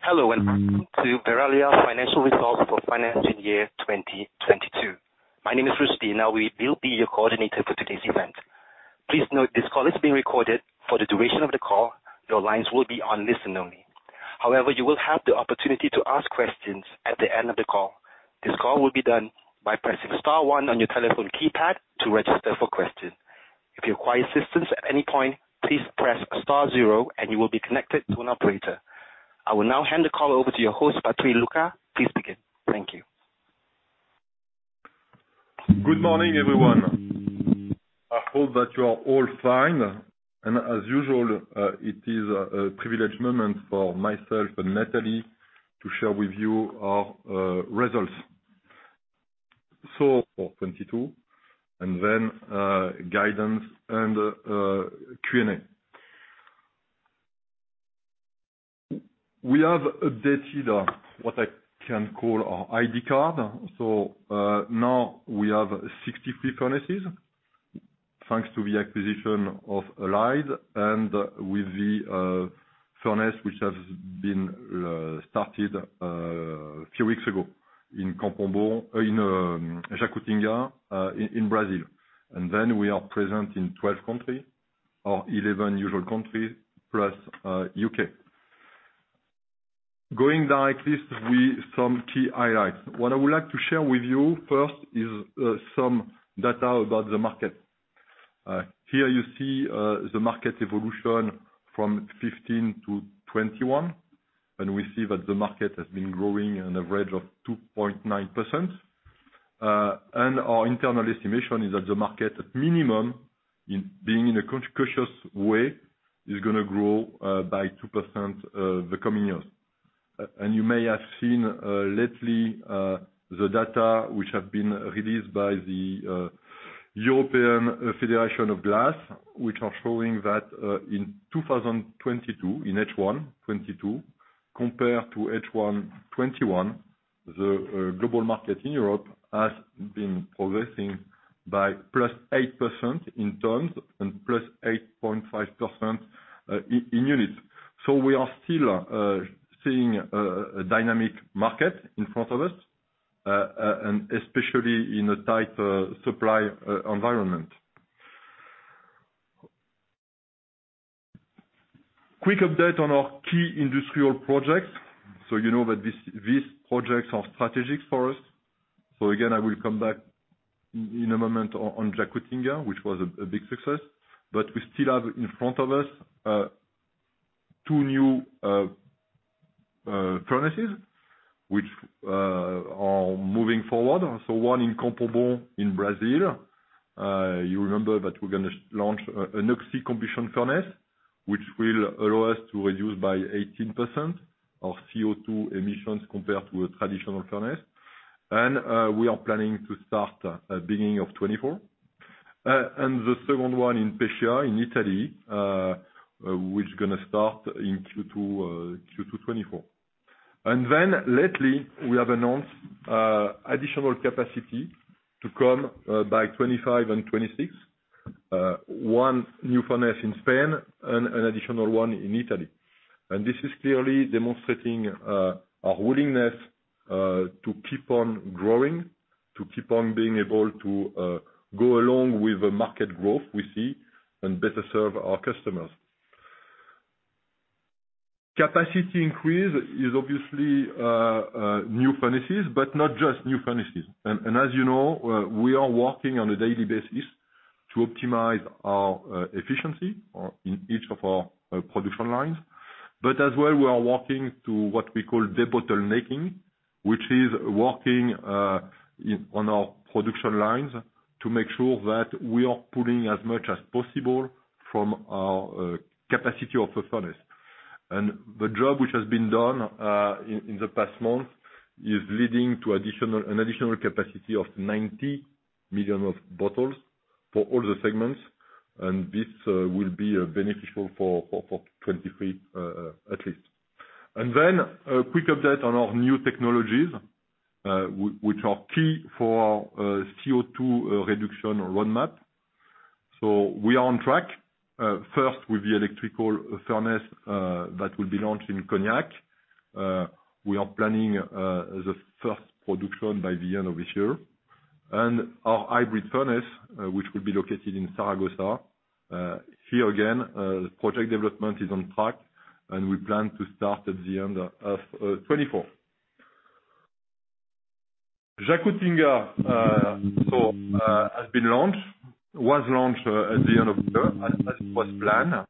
Hello, welcome to Verallia Financial Results for financial year 2022. My name is Rusdy, and I will be your coordinator for today's event. Please note this call is being recorded. For the duration of the call, your lines will be on listen only. However, you will have the opportunity to ask questions at the end of the call. This call will be done by pressing star one on your telephone keypad to register for questions. If you require assistance at any point, please press star zero and you will be connected to an operator. I will now hand the call over to your host, Patrice Lucas. Please begin. Thank you. Good morning, everyone. I hope that you are all fine. As usual, it is a privileged moment for myself and Nathalie to share with you our results. For 2022, guidance and Q&A. We have updated what I can call our ID card. Now we have 63 furnaces, thanks to the acquisition of Allied and with the furnace which has been started a few weeks ago in Jacutinga, in Brazil. We are present in 12 country or 11 usual countries plus UK. Going directly with some key highlights. What I would like to share with you first is some data about the market. Here you see the market evolution from 15 to 21, we see that the market has been growing an average of 2.9%. Our internal estimation is that the market at minimum, in being in a cautious way, is going to grow by 2% the coming years. You may have seen lately the data which have been released by the European Federation of Glass, which are showing that in 2022, in H1 2022, compared to H1 2021, the global market in Europe has been progressing by +8% in tons and +8.5% in units. We are still seeing a dynamic market in front of us, especially in a tight supply environment. Quick update on our key industrial projects. You know that these projects are strategic for us. Again, I will come back in a moment on Jacutinga, which was a big success. We still have in front of us two new furnaces which are moving forward. One in Campo Bom in Brazil. You remember that we're going to launch an oxy-combustion furnace, which will allow us to reduce by 18% of CO2 emissions compared to a traditional furnace. We are planning to start at beginning of 2024. The second one in Pescia, in Italy, which is going to start in Q2 2024. Lately we have announced additional capacity to come by 2025 and 2026. One new furnace in Spain and an additional one in Italy. This is clearly demonstrating our willingness to keep on growing, to keep on being able to go along with the market growth we see and better serve our customers. Capacity increase is obviously new furnaces, but not just new furnaces. As you know, we are working on a daily basis to optimize our efficiency on each of our production lines. As well we are working to what we call debottlenecking. Which is working on our production lines to make sure that we are pulling as much as possible from our capacity of the furnace. The job which has been done in the past month is leading to an additional capacity of 90 million of bottles for all the segments, and this will be beneficial for 2023 at least. A quick update on our new technologies, which are key for our CO2 reduction roadmap. We are on track, first with the electrical furnace, that will be launched in Cognac. We are planning the first production by the end of this year. Our hybrid furnace, which will be located in Zaragoza. Here again, the project development is on track, and we plan to start at the end of 2024. Jacutinga, so, has been launched. Was launched at the end of October as it was planned.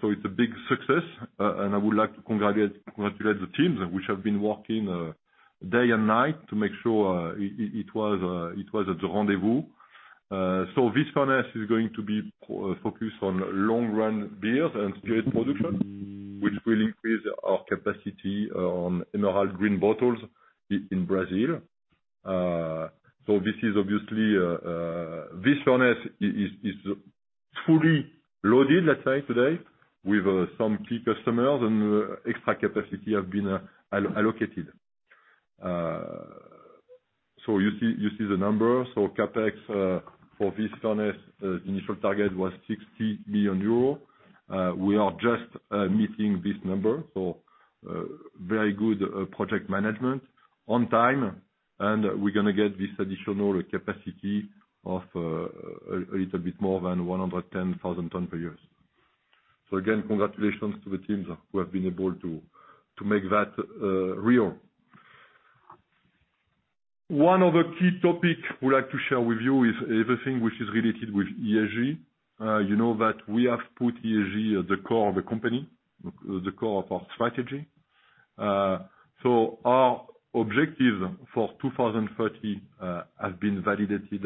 So it's a big success, and I would like to congratulate the teams which have been working day and night to make sure it was at the rendezvous. This furnace is going to be focused on long-run beers and spirit production, which will increase our capacity on emerald green bottles in Brazil. This is obviously, this furnace is fully loaded, let's say today, with some key customers and extra capacity have been allocated. You see the numbers. CapEx for this furnace, initial target was 60 million euro. We are just meeting this number, very good project management on time, and we're going to get this additional capacity of a little bit more than 110,000 tons per year. Again, congratulations to the teams who have been able to make that real. One other key topic we'd like to share with you is everything which is related with ESG. You know that we have put ESG at the core of the company, the core of our strategy. Our objective for 2030 has been validated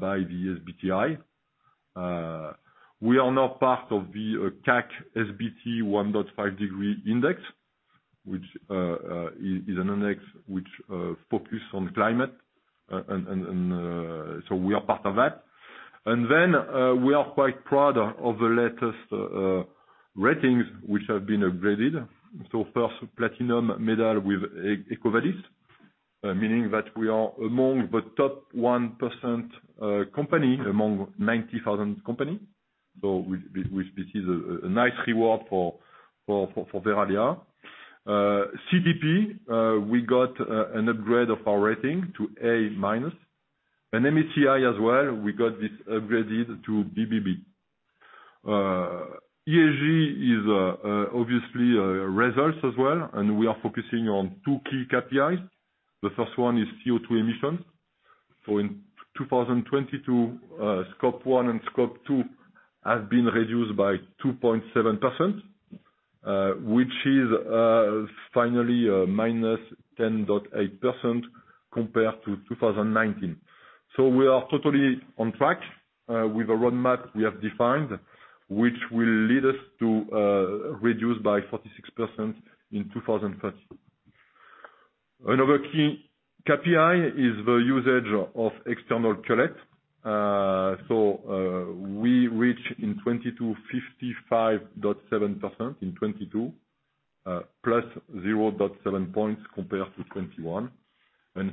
by the SBTi. We are now part of the CAC SBT 1.5°C Index, which is an index which focuses on climate. We are part of that. Then, we are quite proud of the latest ratings which have been upgraded. First, platinum medal with EcoVadis, meaning that we are among the top 1% company among 90,000 company. which this is a nice reward for Verallia. CDP, we got an upgrade of our rating to A-, and MSCI as well, we got this upgraded to BBB. ESG is obviously a result as well, and we are focusing on two key KPIs. The first one is CO2 emissions. In 2022, Scope 1 and Scope 2 has been reduced by 2.7%, which is finally -10.8% compared to 2019. We are totally on track with the roadmap we have defined, which will lead us to reduce by 46% in 2030. Another key KPI is the usage of external cullet. We reach in 2022, 55.7% in 2022, plus 0.7 points compared to 2021.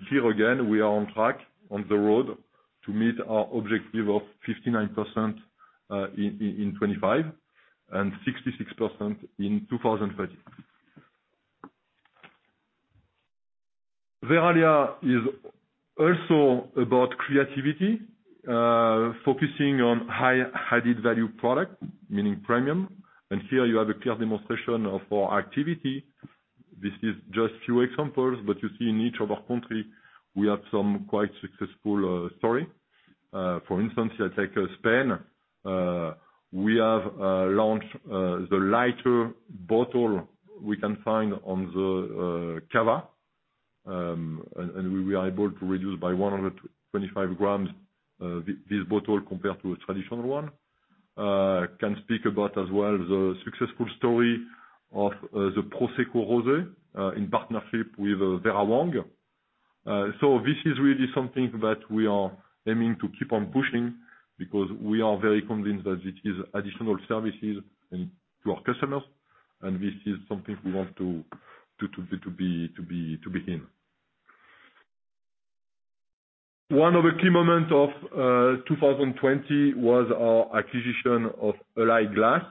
Here, again, we are on track on the road to meet our objective of 59% in 2025 and 66% in 2030. Verallia is also about creativity, focusing on high added value product, meaning premium. Here you have a clear demonstration of our activity. This is just few examples, but you see in each of our country we have some quite successful story. For instance, you take Spain. We have launched the lighter bottle we can find on the cava. And we are able to reduce by 125 g, this bottle compared to a traditional one. Can speak about as well the successful story of the Prosecco Rosé in partnership with Vera Wang. This is really something that we are aiming to keep on pushing because we are very convinced that it is additional services and to our customers and this is something we want to be in. One of the key moment of 2020 was our acquisition of Allied Glass.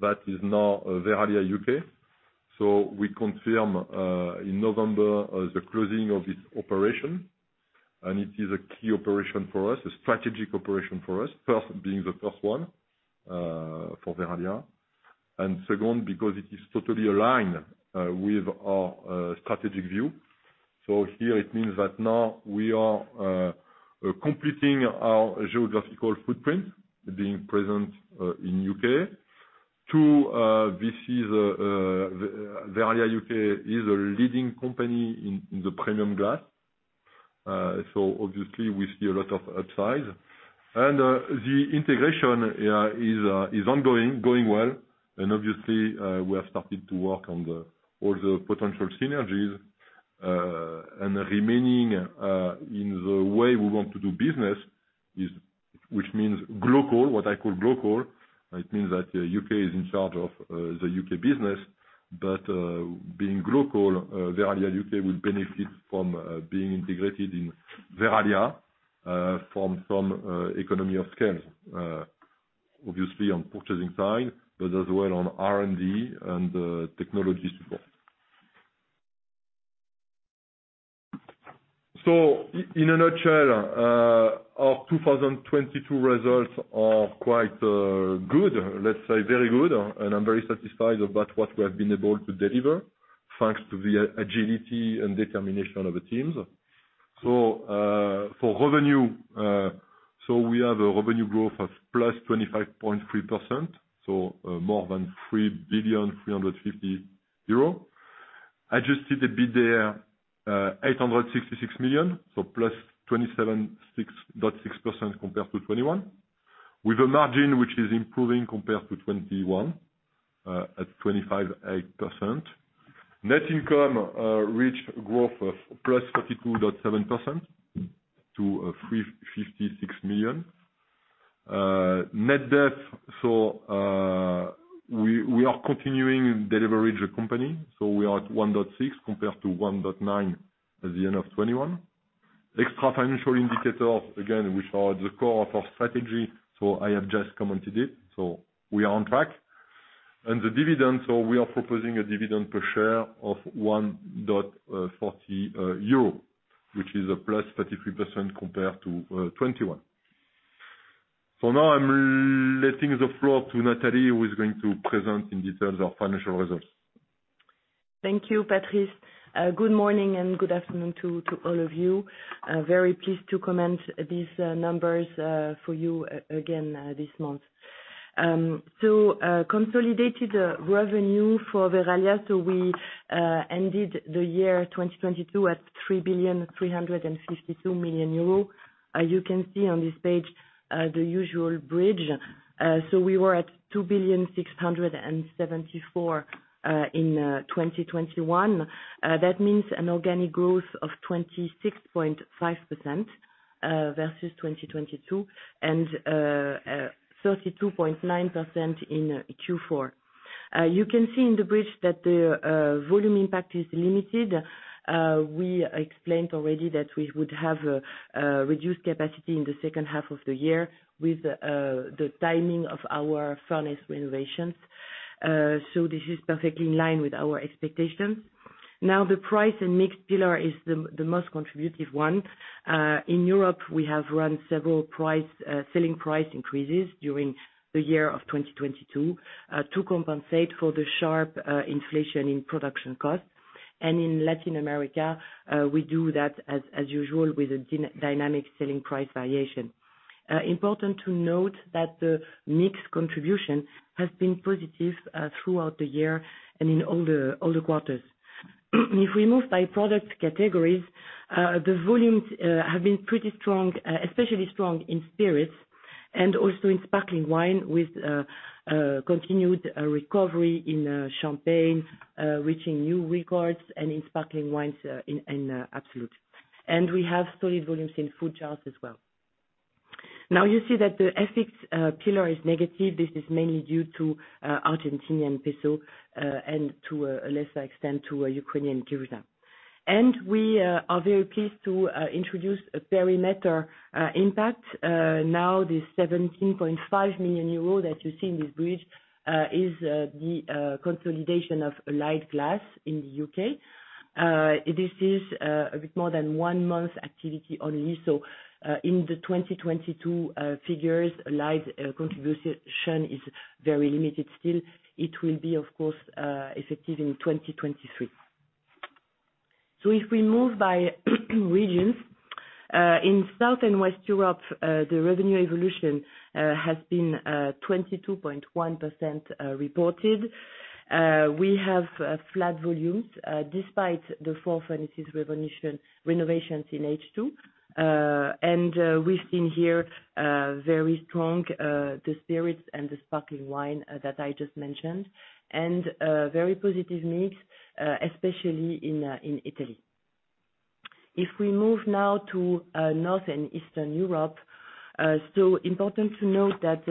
That is now Verallia UK. We confirm in November the closing of this operation, and it is a key operation for us, a strategic operation for us, first being the first one for Verallia, and second, because it is totally aligned with our strategic view. Here it means that now we are completing our geographical footprint being present in UK. Two, this is Verallia UK is a leading company in the premium glass. Obviously we see a lot of upside. The integration is ongoing, going well. Obviously we have started to work on all the potential synergies and remaining in the way we want to do business is, which means local, what I call local. It means that U.K. is in charge of the U.K. business, but being local, Verallia UK will benefit from being integrated in Verallia from economy of scales, obviously on purchasing side, but as well on R&D and technology support. In a nutshell, our 2022 results are quite good, let's say very good, and I'm very satisfied about what we have been able to deliver, thanks to the agility and determination of the teams. For revenue, we have a revenue growth of +25.3%, more than 3.35 billion. Adjusted EBITDA EUR 866 million, +27.6% compared to 2021, with a margin which is improving compared to 2021, at 25.8%. Net income reached growth of +32.7% to 356 million. Net debt. We are continuing delivery the company, we are at 1.6% compared to 1.9% at the end of 2021. Extra financial indicators, again, which are the core of our strategy, I have just commented it. We are on track. The dividend. We are proposing a dividend per share of 1.40 euro, which is a +33% compared to 2021. Now I'm letting the floor to Nathalie, who is going to present in details our financial results. Thank you, Patrice. Good morning and good afternoon to all of you. Very pleased to comment these numbers for you again this month. Consolidated revenue for Verallia, we ended the year 2022 at 3,352 million euro. As you can see on this page, the usual bridge. We were at 2,674 million in 2021. That means an organic growth of 26.5% versus 2022 and 32.9% in Q4. You can see in the bridge that the volume impact is limited. We explained already that we would have a reduced capacity in the second half of the year with the timing of our furnace renovations. This is perfectly in line with our expectations. Now, the price and mixed pillar is the most contributive one. In Europe, we have run several selling price increases during the year of 2022 to compensate for the sharp inflation in production costs. In Latin America, we do that as usual, with a dynamic selling price variation. Important to note that the mix contribution has been positive throughout the year and in all the quarters. If we move by product categories, the volumes have been pretty strong, especially strong in spirits and also in sparkling wine with continued recovery in champagne, reaching new records and in sparkling wines in Absolut. We have solid volumes in food jars as well. Now you see that the FX pillar is negative. This is mainly due to Argentinian peso and to a lesser extent, to Ukrainian hryvnia. We are very pleased to introduce a perimeter impact. Now the 17.5 million euros that you see in this bridge is the consolidation of Allied Glass in the UK. This is a bit more than one month activity only. In the 2022 figures, Light's contribution is very limited still. It will be, of course, effective in 2023. If we move by regions, in South and West Europe, the revenue evolution has been 22.1% reported. We have flat volumes despite the four furnaces renovations in H2. We've seen here very strong the spirits and the sparkling wine that I just mentioned, and very positive mix especially in Italy. If we move now to North and Eastern Europe, so important to note that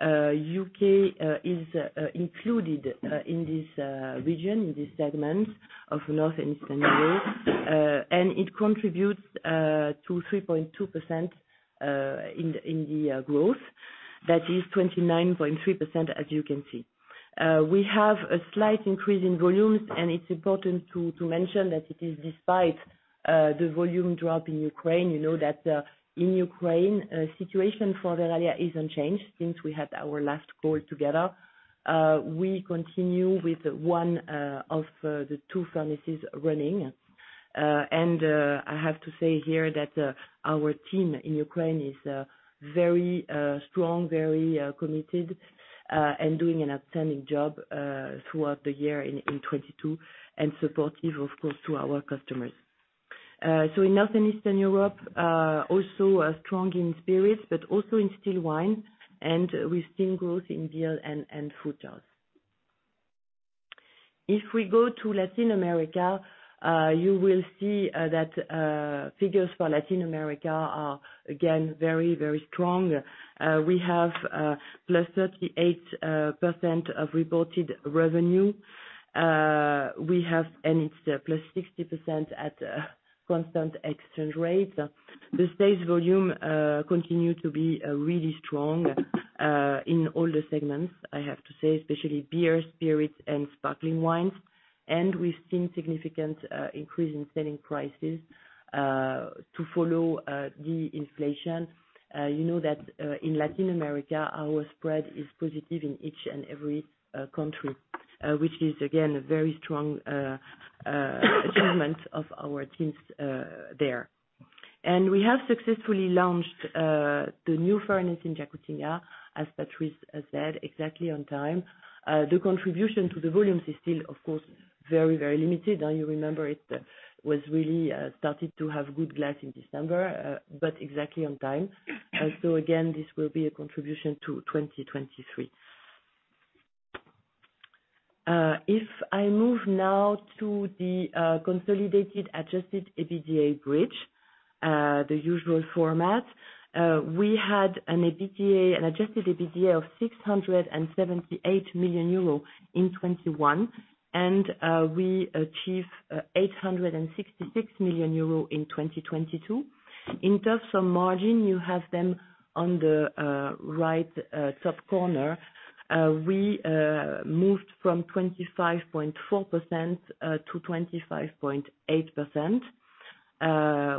UK is included in this region, in this segment of North and Eastern Europe, and it contributes to 3.2% in the growth. That is 29.3%, as you can see. We have a slight increase in volumes, and it's important to mention that it is despite the volume drop in Ukraine. You know that in Ukraine, situation for Verallia isn't changed since we had our last call together. We continue with one of the two furnaces running. I have to say here that our team in Ukraine is very strong, very committed, and doing an outstanding job throughout the year in 2022, and supportive, of course, to our customers. In Northern Eastern Europe, also strong in spirits, but also in still wines and with thin growth in beer and food jars. If we go to Latin America, you will see that figures for Latin America are again very, very strong. We have +38% of reported revenue. We have and it's +60% at constant exchange rates. The stage volume continued to be really strong in all the segments, I have to say, especially beer, spirits and sparkling wines. We've seen significant increase in selling prices to follow the inflation. You know that in Latin America, our spread is positive in each and every country, which is again, a very strong achievement of our teams there. We have successfully launched the new furnace in Jacutinga, as Patrice has said, exactly on time. The contribution to the volumes is still, of course, very, very limited. You remember it was really started to have good glass in December, but exactly on time. Again, this will be a contribution to 2023. If I move now to the consolidated adjusted EBDA bridge, the usual format, we had an EBDA, an adjusted EBDA of 678 million euro in 2021 and we achieved 866 million euro in 2022. In terms of margin, you have them on the right top corner. We moved from 25.4% to 25.8%,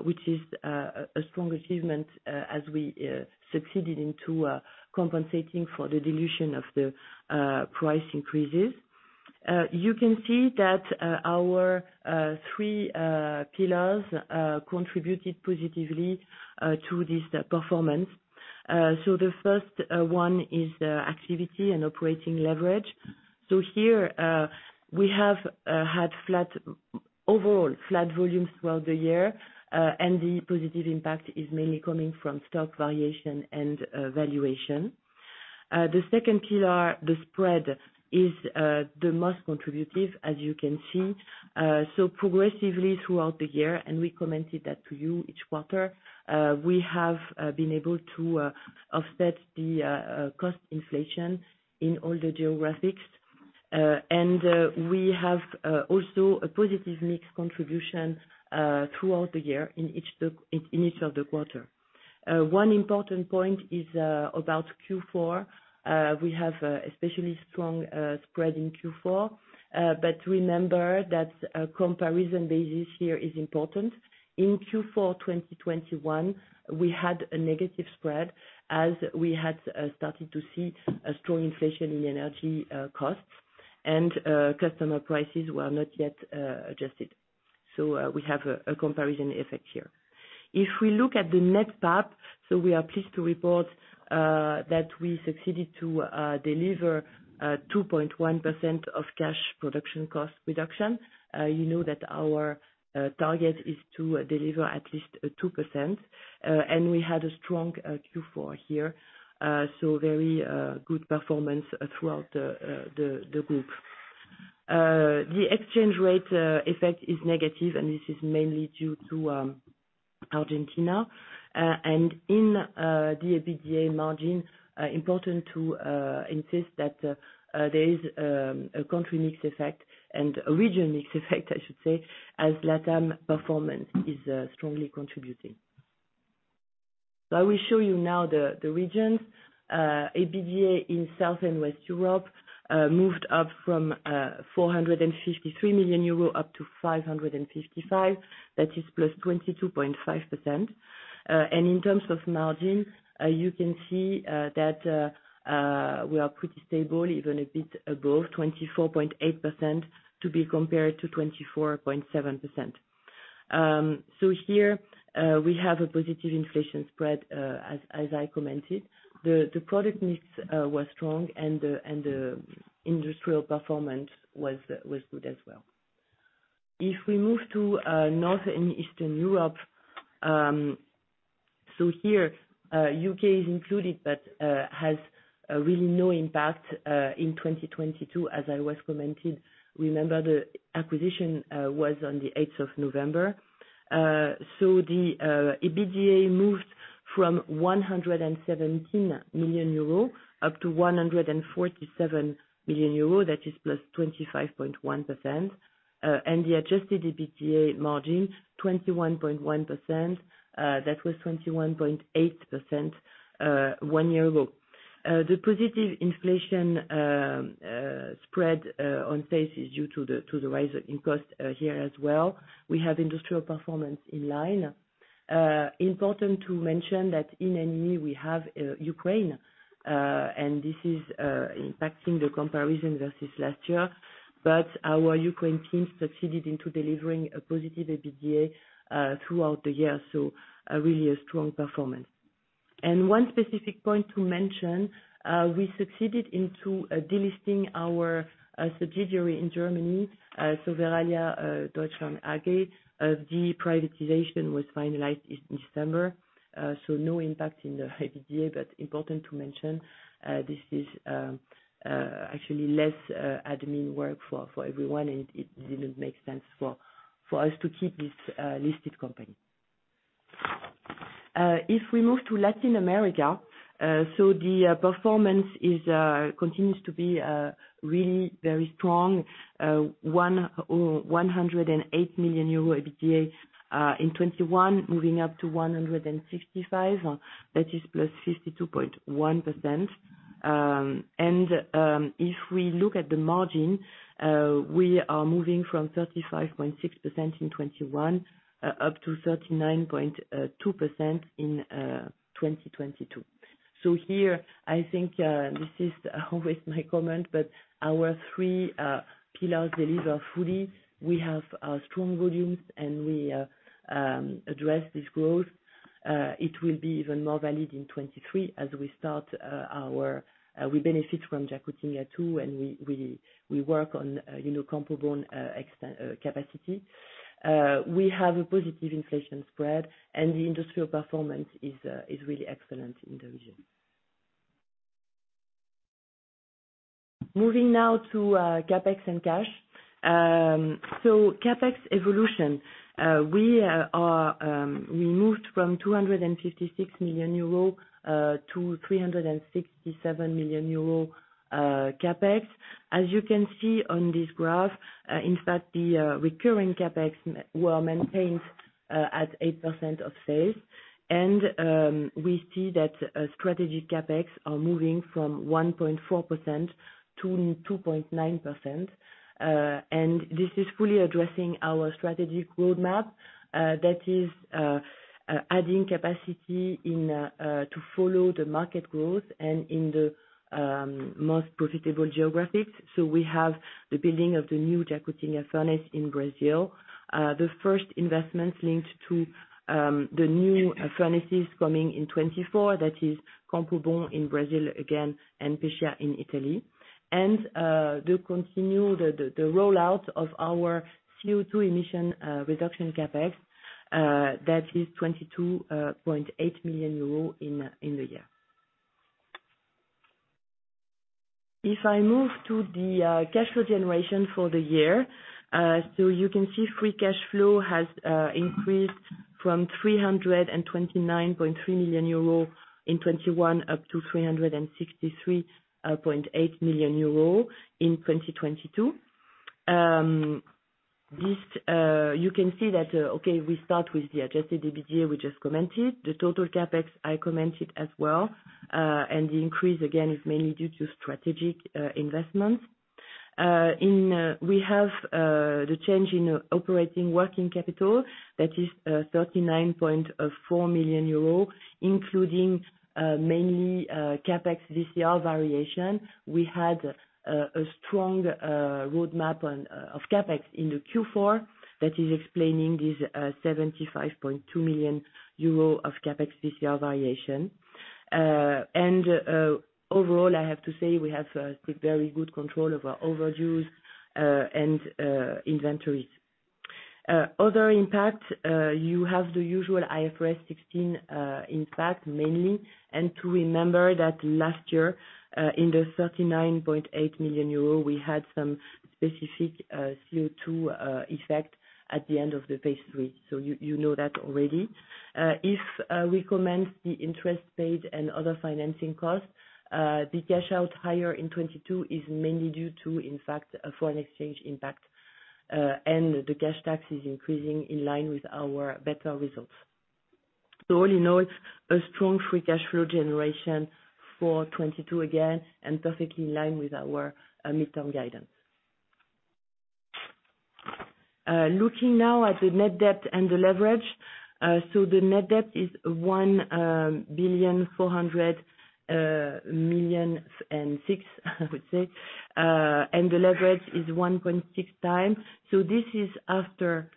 which is a strong achievement as we succeeded into compensating for the dilution of the price increases. You can see that our three pillars contributed positively to this performance. The first one is the activity and operating leverage. Here, we have Overall flat volumes throughout the year, and the positive impact is mainly coming from stock variation and valuation. The second pillar, the spread, is the most contributive as you can see. Progressively throughout the year, and we commented that to you each quarter, we have been able to offset the cost inflation in all the geographics. We have also a positive mix contribution throughout the year in each of the quarter. One important point is about Q4. We have a especially strong spread in Q4. Remember that a comparison basis here is important. In Q4 2021, we had a negative spread as we had started to see a strong inflation in energy costs and customer prices were not yet adjusted. We have a comparison effect here. If we look at the next tab, we are pleased to report that we succeeded to deliver 2.1% of cash production cost reduction. You know that our target is to deliver at least 2%, we had a strong Q4 here, very good performance throughout the group. The exchange rate effect is negative, this is mainly due to Argentina. In the EBDA margin, important to insist that there is a country mix effect and a region mix effect I should say, as LATAM performance is strongly contributing. I will show you now the regions. EBDA in South and West Europe moved up from 453 million euro up to 555 million. That is +22.5%. In terms of margin, you can see that we are pretty stable, even a bit above 24.8% to be compared to 24.7%. Here, we have a positive inflation spread, as I commented. The product mix was strong and the industrial performance was good as well. If we move to North and Eastern Europe, so here UK is included, but has really no impact in 2022, as I was commenting. Remember, the acquisition was on the November 8th. The EBDA moved from 117 million euro up to 147 million euro. That is +25.1%. The adjusted EBDA margin 21.1%, that was 21.8% one year ago. The positive inflation spread on pace is due to the rise in cost here as well. We have industrial performance in line. Important to mention that in ME we have Ukraine, and this is impacting the comparison versus last year. Our Ukraine team succeeded into delivering a positive EBDA throughout the year, really a strong performance. One specific point to mention, we succeeded into delisting our subsidiary in Germany, Verallia Deutschland AG. The privatization was finalized this December, so no impact in the EBDA, but important to mention, this is actually less admin work for everyone, and it didn't make sense for us to keep this listed company. If we move to Latin America, the performance continues to be really very strong. 108 million euro EBDA in 2021, moving up to 155 million. That is +52.1%. If we look at the margin, we are moving from 35.6% in 2021, up to 39.2% in 2022. Here, I think, this is always my comment, but our three pillars deliver fully. We have strong volumes, and we address this growth. It will be even more valid in 2023 as we start our, we benefit from Jacutinga too, and we work on, you know, Campo Bom capacity. We have a positive inflation spread, and the industrial performance is really excellent in the region. Moving now to CapEx and cash. CapEx evolution, we moved from 256 million euro to 367 million euro CapEx. As you can see on this graph, in fact the recurring CapEx were maintained at 8% of sales. We see that strategic CapEx are moving from 1.4% to 2.9%. This is fully addressing our strategic roadmap that is adding capacity to follow the market growth and in the most profitable geographics. We have the building of the new Jacutinga furnace in Brazil. The first investment linked to the new furnaces coming in 2024, that is Campo Bom in Brazil again, and Pescia in Italy. The rollout of our CO2 emission reduction CapEx that is 22.8 million euro in the year. If I move to the cash flow generation for the year, you can see Free Cash Flow has increased from 329.3 million euro in 2021, up to 363.8 million euro in 2022. This, you can see that, we start with the adjusted EBITDA, we just commented. The total CapEx, I commented as well. The increase again is mainly due to strategic investments. We have the change in operating working capital, that is 39.4 million euros, including mainly CapEx WCR variation. We had a strong roadmap of CapEx into Q4 that is explaining this 75.2 million euro of CapEx WCR variation. Overall, I have to say we have a very good control of our overdues and inventories. Other impact, you have the usual IFRS 16 impact mainly, and to remember that last year, in the 39.8 million euro, we had some specific CO2 effect at the end of the Phase III. You know that already. If we comment the interest paid and other financing costs, the cash out higher in 2022 is mainly due to, in fact, a foreign exchange impact. The cash tax is increasing in line with our better results. All in all, it's a strong Free Cash Flow generation for 2022 again, and perfectly in line with our midterm guidance. Looking now at the net debt and the leverage. The net debt is 1.406 billion, I would say. The leverage is 1.6x. This is after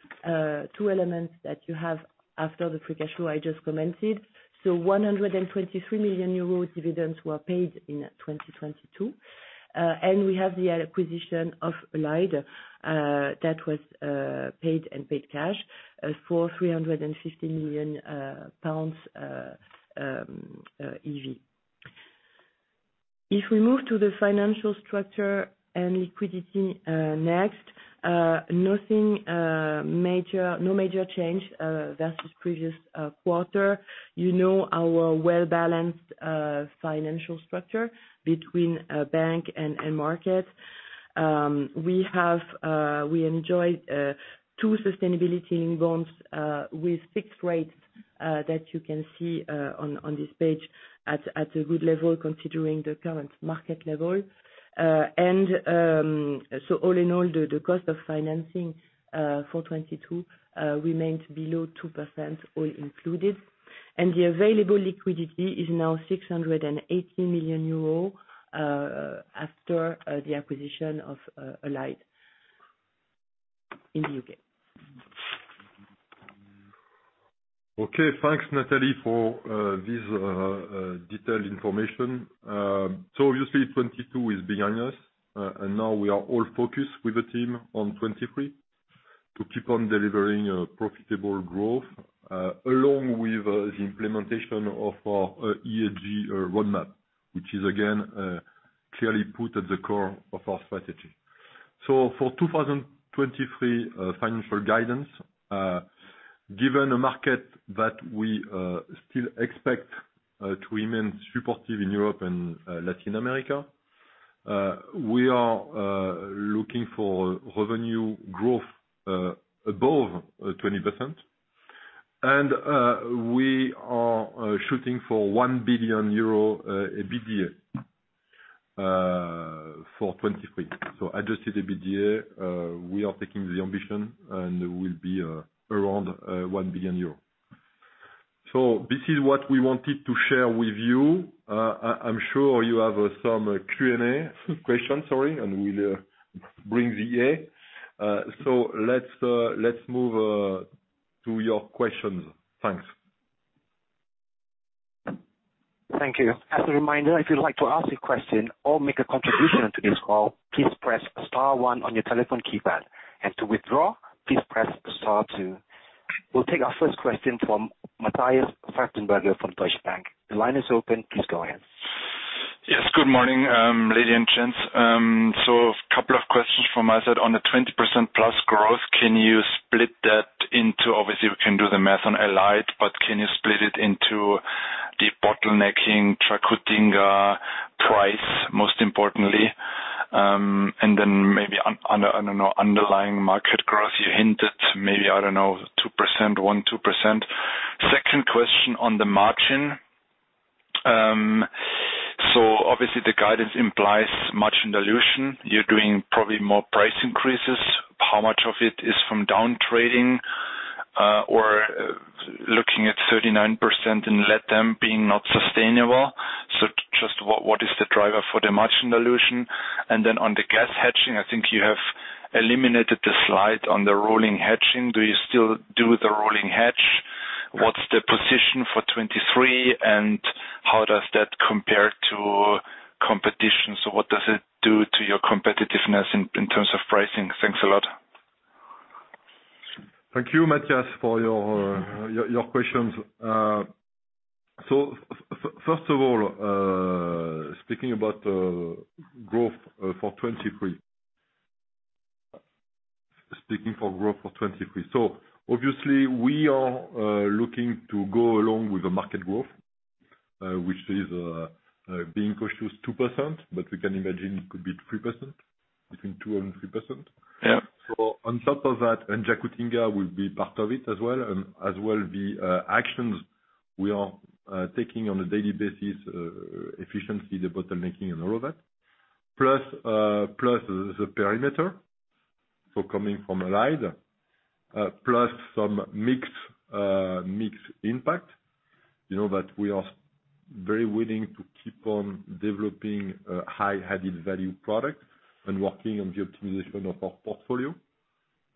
two elements that you have after the Free Cash Flow I just commented. 123 million euro dividends were paid in 2022. We have the acquisition of Allied, that was paid in paid cash, for 350 million pounds EV. If we move to the financial structure and liquidity next, nothing major, no major change versus previous quarter. You know our well-balanced financial structure between bank and market. We have, we enjoy two sustainability-linked bonds with fixed rates that you can see on this page at a good level considering the current market level. All in all, the cost of financing for 2022 remains below 2% all included. The available liquidity is now 680 million euros after the acquisition of Allied in the UK. Okay. Thanks Nathalie for this detailed information. Obviously 2022 is behind us. Now we are all focused with the team on 2023 to keep on delivering profitable growth along with the implementation of our ESG roadmap, which is again clearly put at the core of our strategy. For 2023 financial guidance, given a market that we still expect to remain supportive in Europe and Latin America, we are looking for revenue growth above 20%. We are shooting for 1 billion euro EBITDA for 2023. Adjusted EBITDA, we are taking the ambition and will be around 1 billion euros. This is what we wanted to share with you. I'm sure you have some Q&A, question sorry, and we'll bring the A. Let's move to your questions. Thanks. Thank you. As a reminder, if you'd like to ask a question or make a contribution to this call, please press star one on your telephone keypad. To withdraw, please press star two. We'll take our first question from Matthias Pfeifenberger from Deutsche Bank. The line is open, please go ahead. Yes, good morning, lady and gents. A couple of questions from my side. On the 20% plus growth, can you split that into, obviously, we can do the math on Allied, but can you split it into the bottlenecking, Jacutinga price, most importantly, and then maybe underlying market growth? You hinted maybe, I don't know, 2%, 1%-2%. Second question on the margin. Obviously the guidance implies margin dilution. You're doing probably more price increases. How much of it is from down trading, or looking at 39% in LATAM being not sustainable. Just what is the driver for the margin dilution? On the gas hedging, I think you have eliminated the slide on the rolling hedging. Do you still do the rolling hedge? What's the position for 2023, how does that compare to competition? What does it do to your competitiveness in terms of pricing? Thanks a lot. Thank you, Matthias, for your questions. First of all, speaking about growth for 2023. Obviously we are looking to go along with the market growth, which is being cautious 2%, but we can imagine it could be 3%, between 2% and 3%. Yeah. On top of that, and Jacutinga will be part of it as well, as well the actions we are taking on a daily basis, efficiency, debottlenecking and all of that. Plus the perimeter, so coming from Allied, plus some mixed impact, you know, that we are very willing to keep on developing high added value products and working on the optimization of our portfolio.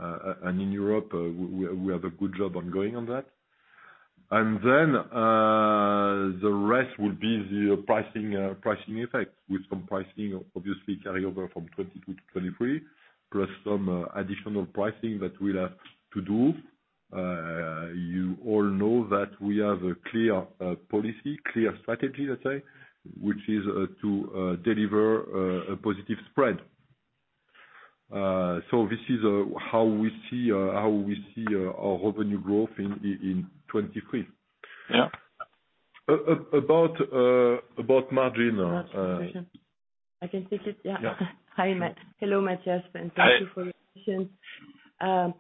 In Europe, we have a good job ongoing on that. The rest will be the pricing effect with some pricing obviously carry over from 2022 to 2023, plus some additional pricing that we'll have to do. You all know that we have a clear policy, clear strategy let's say, which is to deliver a positive spread. This is how we see our revenue growth in 2023. Yeah. About margin. Margin dilution. I can take it. Yeah. Yeah. Hi, Matt. Hello, Matthias, thank you for your question. Hi.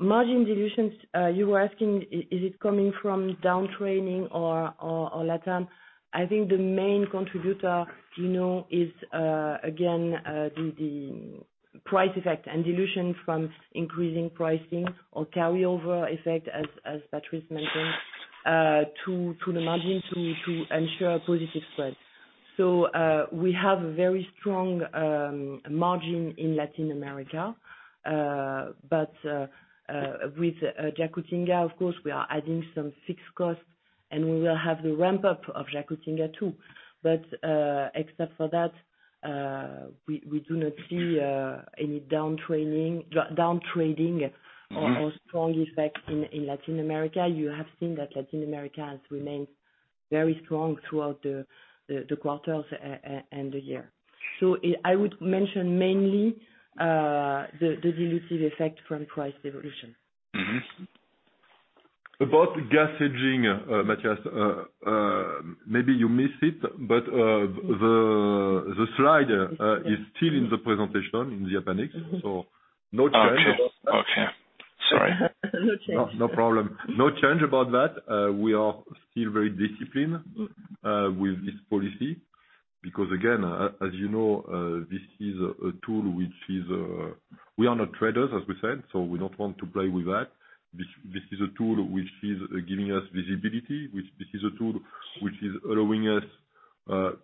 Margin dilutions, you were asking is it coming from down training or LATAM? I think the main contributor, you know, is again the price effect and dilution from increasing pricing or carry over effect as Patrice mentioned, to the margin to ensure positive spread. We have very strong margin in Latin America. But with Jacutinga of course, we are adding some fixed costs, and we will have the ramp up of Jacutinga too. Except for that, we do not see any down training, down trading or strong effect in Latin America. You have seen that Latin America has remained very strong throughout the quarters and the year. I would mention mainly the dilutive effect from price evolution. About gas hedging, Matthias, maybe you missed it, but the slide is still in the presentation in the appendix. Mm-hmm. No change about that. Okay. Okay, sorry. No change. No, no problem. No change about that. We are still very disciplined with this policy, because again, as you know, this is a tool which is... We are not traders as we said, so we don't want to play with that. This is a tool which is giving us visibility. Which this is a tool which is allowing us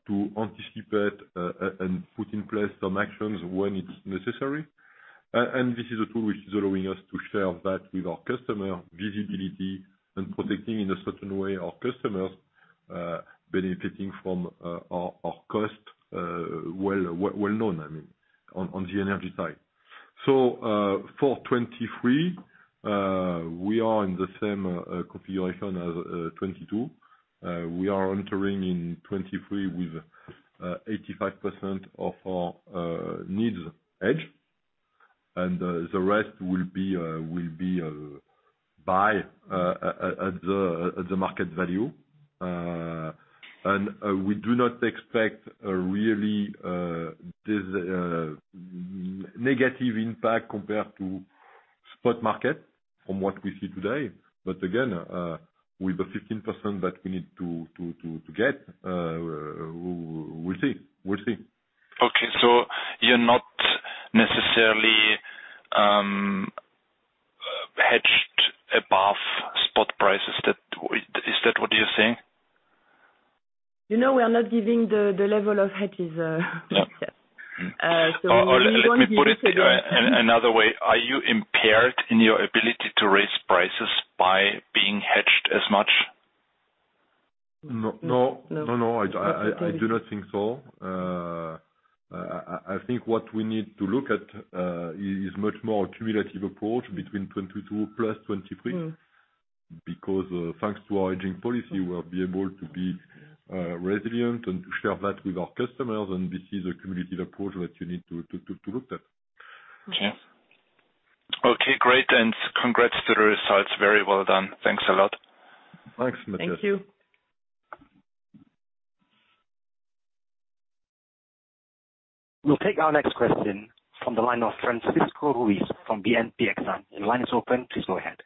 to anticipate and put in place some actions when it's necessary. This is a tool which is allowing us to share that with our customer visibility and protecting in a certain way our customers, benefiting from our cost, well known I mean, on the energy side. For 2023, we are in the same configuration as 2022. We are entering in 2023 with 85% of our needs hedged, the rest will be buy at the market value. We do not expect a really negative impact compared to spot market from what we see today. Again, with the 15% that we need to get, we'll see. We'll see. Okay. You're not necessarily hedged above spot prices, is that what you're saying? You know we are not giving the level of hedges, yet. Yeah. Mm. We only give. Let me put it another way. Are you impaired in your ability to raise prices by being hedged as much? No, no, no. I do not think so. I think what we need to look at is much more cumulative approach between 2022 plus 2023, because, thanks to our aging policy, we'll be able to be resilient and share that with our customers. This is a cumulative approach that you need to look at. Okay. Okay, great. Congrats to the results. Very well done. Thanks a lot. Thanks Matthias. Thank you. We'll take our next question from the line of Francisco Ruiz from BNP Paribas Exane. Your line is open. Please go ahead.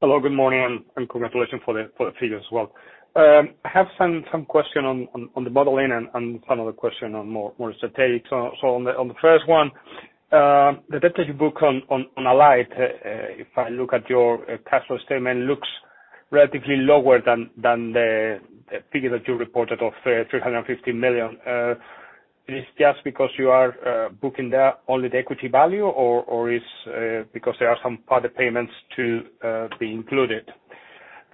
Hello. Good morning, and congratulations for the figures as well. I have some question on the modeling and another question on more strategic. On the first one, the debt that you book on Allied, if I look at your cash flow statement, looks relatively lower than the figure that you reported of 350 million. Is this just because you are booking the only the equity value or is because there are some other payments to be included?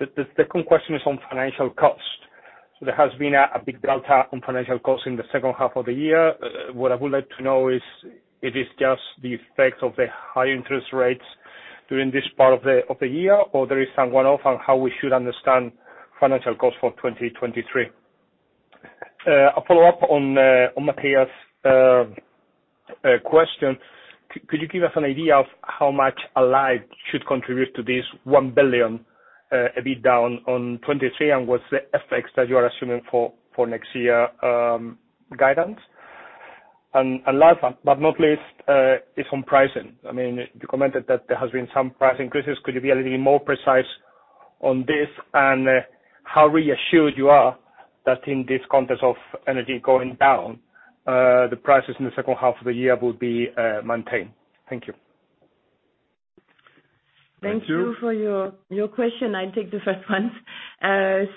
The second question is on financial cost. There has been a big delta on financial cost in the second half of the year. What I would like to know is it is just the effect of the high interest rates during this part of the year or there is some one-off on how we should understand financial cost for 2023. A follow-up on Matthias question. Could you give us an idea of how much Allied should contribute to this 1 billion a bit down on 2023, and what's the effects that you are assuming for next year guidance? Last but not least is on pricing. I mean, you commented that there has been some price increases. Could you be a little bit more precise on this and how reassured you are that in this context of energy going down, the prices in the second half of the year will be maintained? Thank you. Thank you for your question. I take the first one. Allied,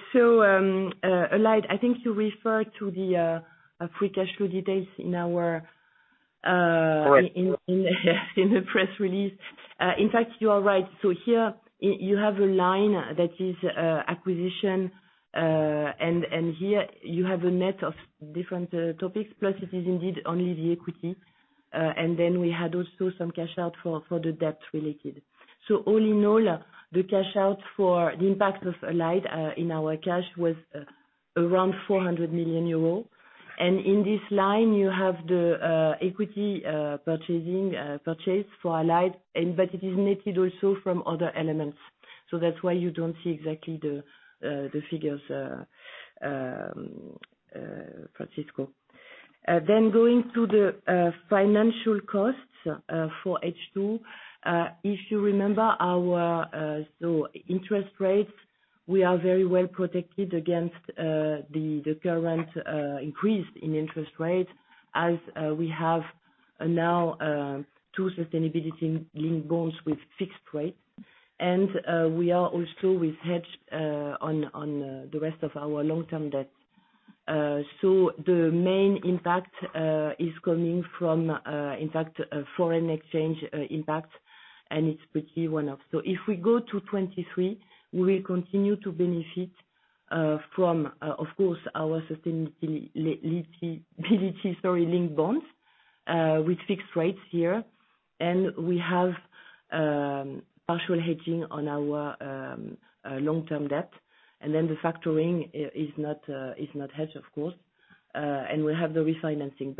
I think you refer to the Free Cash Flow details in our. Right. In the, in the press release. In fact, you are right. Here you have a line that is acquisition, and here you have a net of different topics, plus it is indeed only the equity. We had also some cash out for the debt related. All in all, the cash out for the impact of Allied in our cash was around 400 million euro. In this line you have the equity purchasing purchase for Allied. It is netted also from other elements. That's why you don't see exactly the figures, Francisco. Going to the financial costs for H2. If you remember our interest rates, we are very well protected against the current increase in interest rates as we have now two sustainability-linked bonds with fixed rate. We are also with hedged on the rest of our long-term debt. The main impact is coming from in fact a foreign exchange impact, and it's pretty one-off. If we go to 2023, we will continue to benefit from of course our sustainability-linked bonds with fixed rates here. We have partial hedging on our long-term debt. The Factoring is not hedged, of course. We have the refinancing.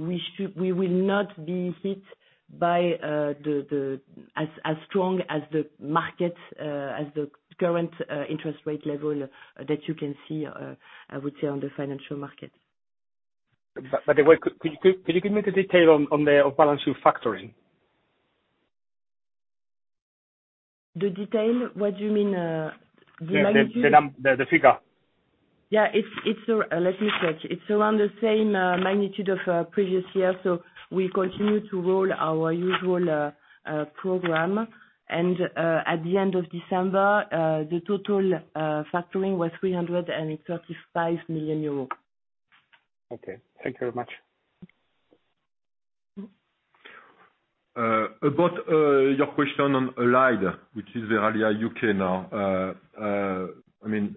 We should, we will not be hit by the... As strong as the market, as the current interest rate level that you can see, I would say, on the financial market. By the way, could you give me the detail on the off-balance with factoring? The detail? What do you mean, the magnitude? The figure. Yeah. It's. Let me check. It's around the same magnitude of previous year, so we continue to roll our usual program. At the end of December, the total factoring was 335 million euros. Okay. Thank you very much. About your question on Allied, which is the Verallia UK now, I mean,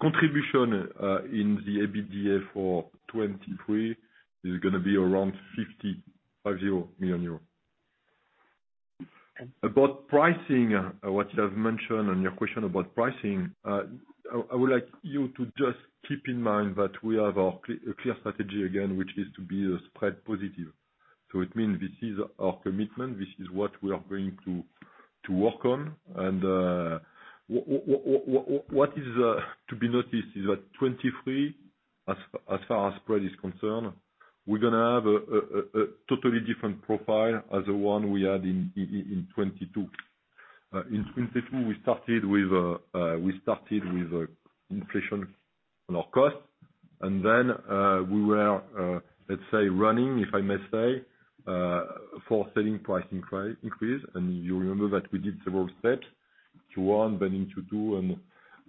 contribution in the EBDA for 2023 is going to be around 50 million euros. About pricing, what you have mentioned on your question about pricing, I would like you to just keep in mind that we have our clear strategy again, which is to be spread positive. It means this is our commitment. This is what we are going to work on. What is to be noticed is that 2023, as far as spread is concerned, we're going to have a totally different profile as the one we had in 2022. In 2022, we started with inflation on our cost. We were running for selling pricing increase. You remember that we did several steps. Two, one, then into two,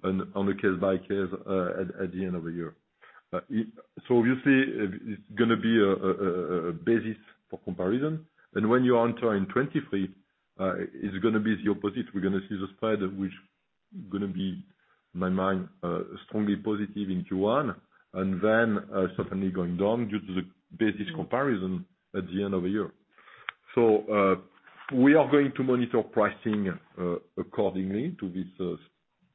on a case by case at the end of the year. Obviously it's going to be a basis for comparison. When you enter in 2023, it's going to be the opposite. We're going to see the spread of which going to be, in my mind, strongly positive in Q1, then certainly going down due to the basic comparison at the end of the year. We are going to monitor pricing accordingly to this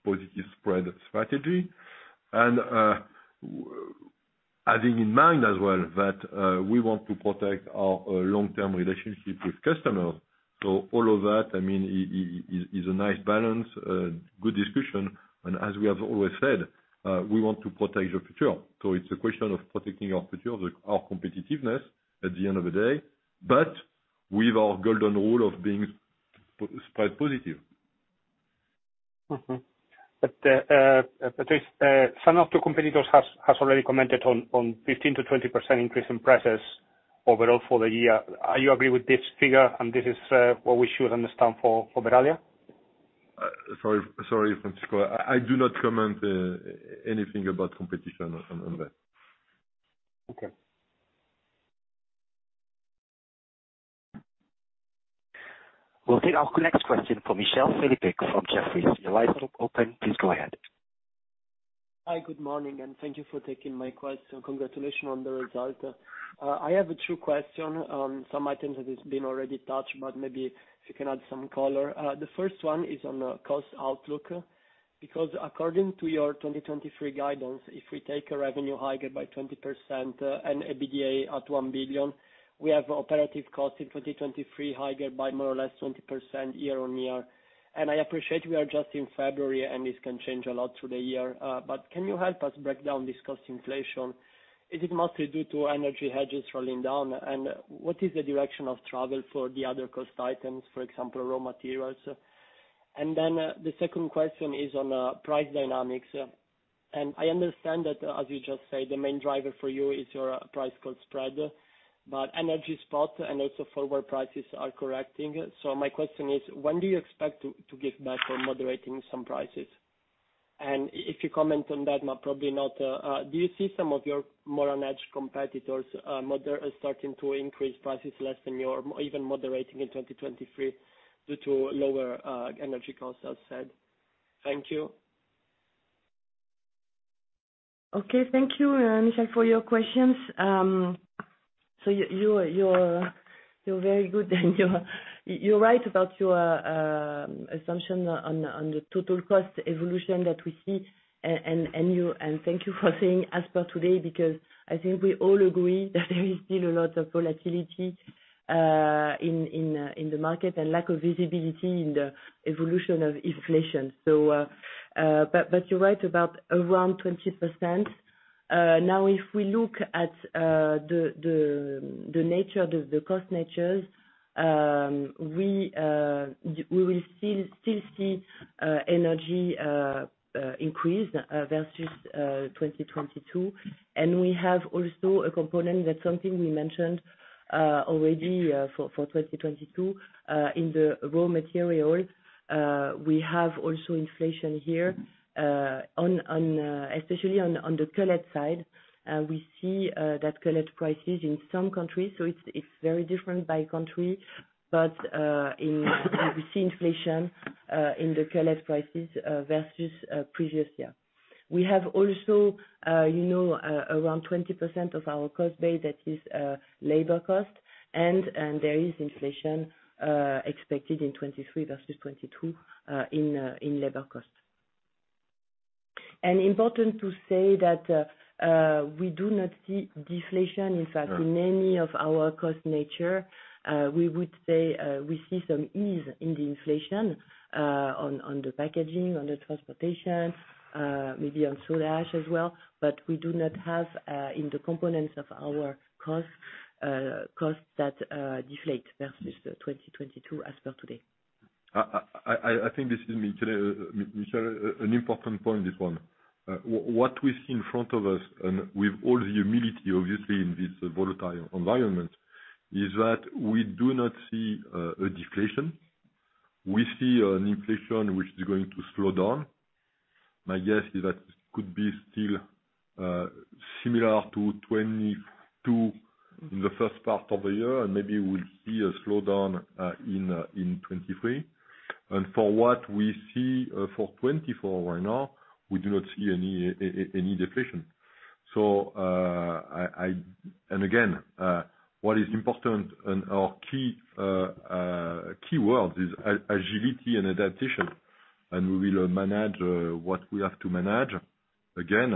positive spread strategy. Having in mind as well that we want to protect our long-term relationship with customers. All of that, I mean, is a nice balance, good discussion, and as we have always said, we want to protect the future. It's a question of protecting our future, our competitiveness at the end of the day. With our golden rule of being spread positive. This, some of the competitors has already commented on 15%-20% increase in prices overall for the year. Are you agree with this figure, and this is, what we should understand for Verallia? Sorry, Francisco. I do not comment anything about competition on that. Okay. We'll take our next question from Michele Filippig from Jefferies. Your line is open, please go ahead. Hi, good morning, thank you for taking my question. Congratulations on the result. I have a two question on some items that has been already touched, but maybe if you can add some color. The first one is on cost outlook. According to your 2023 guidance, if we take a revenue higher by 20%, and EBITDA at 1 billion, we have operative costs in 2023 higher by more or less 20% year-on-year. I appreciate we are just in February, and this can change a lot through the year. Can you help us break down this cost inflation? Is it mostly due to energy hedges rolling down? What is the direction of travel for the other cost items, for example, raw materials? The second question is on price dynamics. I understand that, as you just said, the main driver for you is your price called spread, but energy spot and also forward prices are correcting. My question is when do you expect to give back on moderating some prices? If you comment on that, no, probably not. Do you see some of your more edged competitors, model starting to increase prices less than your or even moderating in 2023 due to lower energy costs, as said? Thank you. Okay. Thank you, Michele, for your questions. You're very good. You're right about your assumption on the total cost evolution that we see. Thank you for saying as per today, because I think we all agree that there is still a lot of volatility in the market and lack of visibility in the evolution of inflation. You're right about around 20%. Now, if we look at the nature, the cost natures, we will still see energy increase versus 2022. We have also a component that's something we mentioned already for 2022 in the raw material. We have also inflation here, especially on the cullet side. We see that cullet prices in some countries, so it's very different by country. We see inflation in the cullet prices versus previous year. We have also, you know, around 20% of our cost base that is labor cost, and there is inflation expected in 2023 versus 2022 in labor costs. Important to say that we do not see deflation. Mm. In any of our cost nature. We would say, we see some ease in the inflation, on the packaging, on the transportation, maybe on soda ash as well. We do not have, in the components of our costs that, deflate versus, 2022 as per today. I think this is Michel, an important point, this one. What we see in front of us, and with all the humility, obviously, in this volatile environment, is that we do not see a deflation. We see an inflation which is going to slow down. My guess is that could be still similar to 2022 in the first part of the year, and maybe we'll see a slowdown in 2023. For what we see for 2024 right now, we do not see any deflation. I... Again, what is important and our key keyword is agility and adaptation, and we will manage what we have to manage. Again,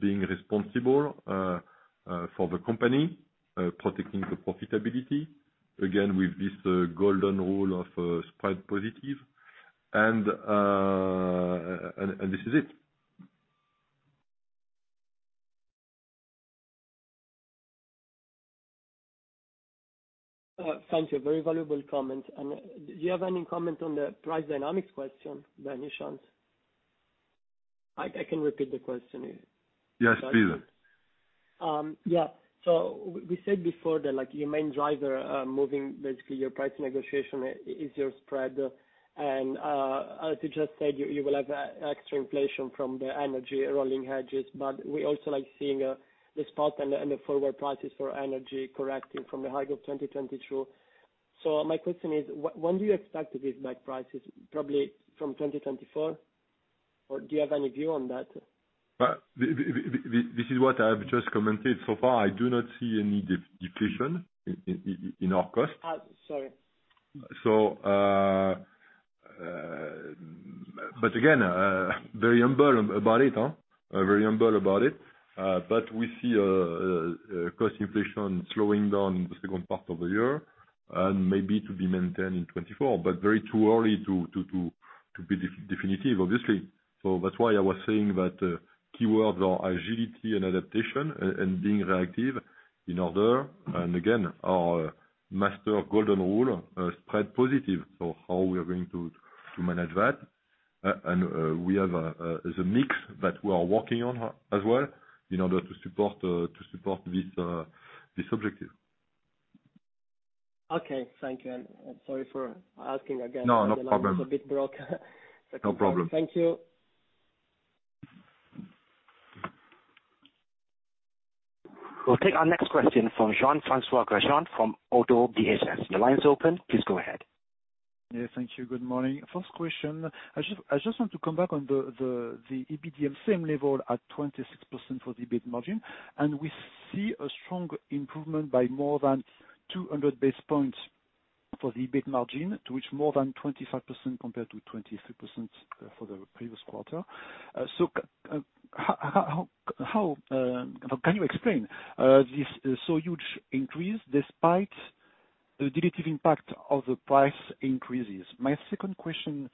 being responsible for the company, protecting the profitability, again, with this golden rule of spread positive. This is it. Thank you. Very valuable comment. Do you have any comment on the price dynamics question by any chance? I can repeat the question. Yes, please. Yeah. We said before that like your main driver, moving basically your price negotiation is your spread. As you just said, you will have extra inflation from the energy rolling hedges. We also like seeing the spot and the forward prices for energy correcting from the high of 2022. My question is when do you expect these back prices? Probably from 2024? Or do you have any view on that? Well, this is what I have just commented so far. I do not see any decrease in our cost. Sorry. But again, very humble about it, huh? Very humble about it. We see, cost inflation slowing down the second part of the year, and maybe to be maintained in 2024, but very too early to be definitive, obviously. That's why I was saying that, keyword or agility and adaptation and being reactive in order. Again, our master golden rule, spread positive. How we are going to manage that, and, we have, the mix that we are working on as well in order to support, to support this objective. Okay. Thank you. Sorry for asking again. No, no problem. The line was a bit broke. No problem. Thank you. We'll take our next question from Jean-François Granjon from Oddo BHF. Your line's open. Please go ahead. Yes, thank you. Good morning. First question. I just want to come back on the EBITDA same level at 26% for the EBIT margin. We see a strong improvement by more than 200 base points for the EBIT margin, to which more than 25% compared to 23% for the previous quarter. How can you explain this so huge increase despite the dilutive impact of the price increases? My second question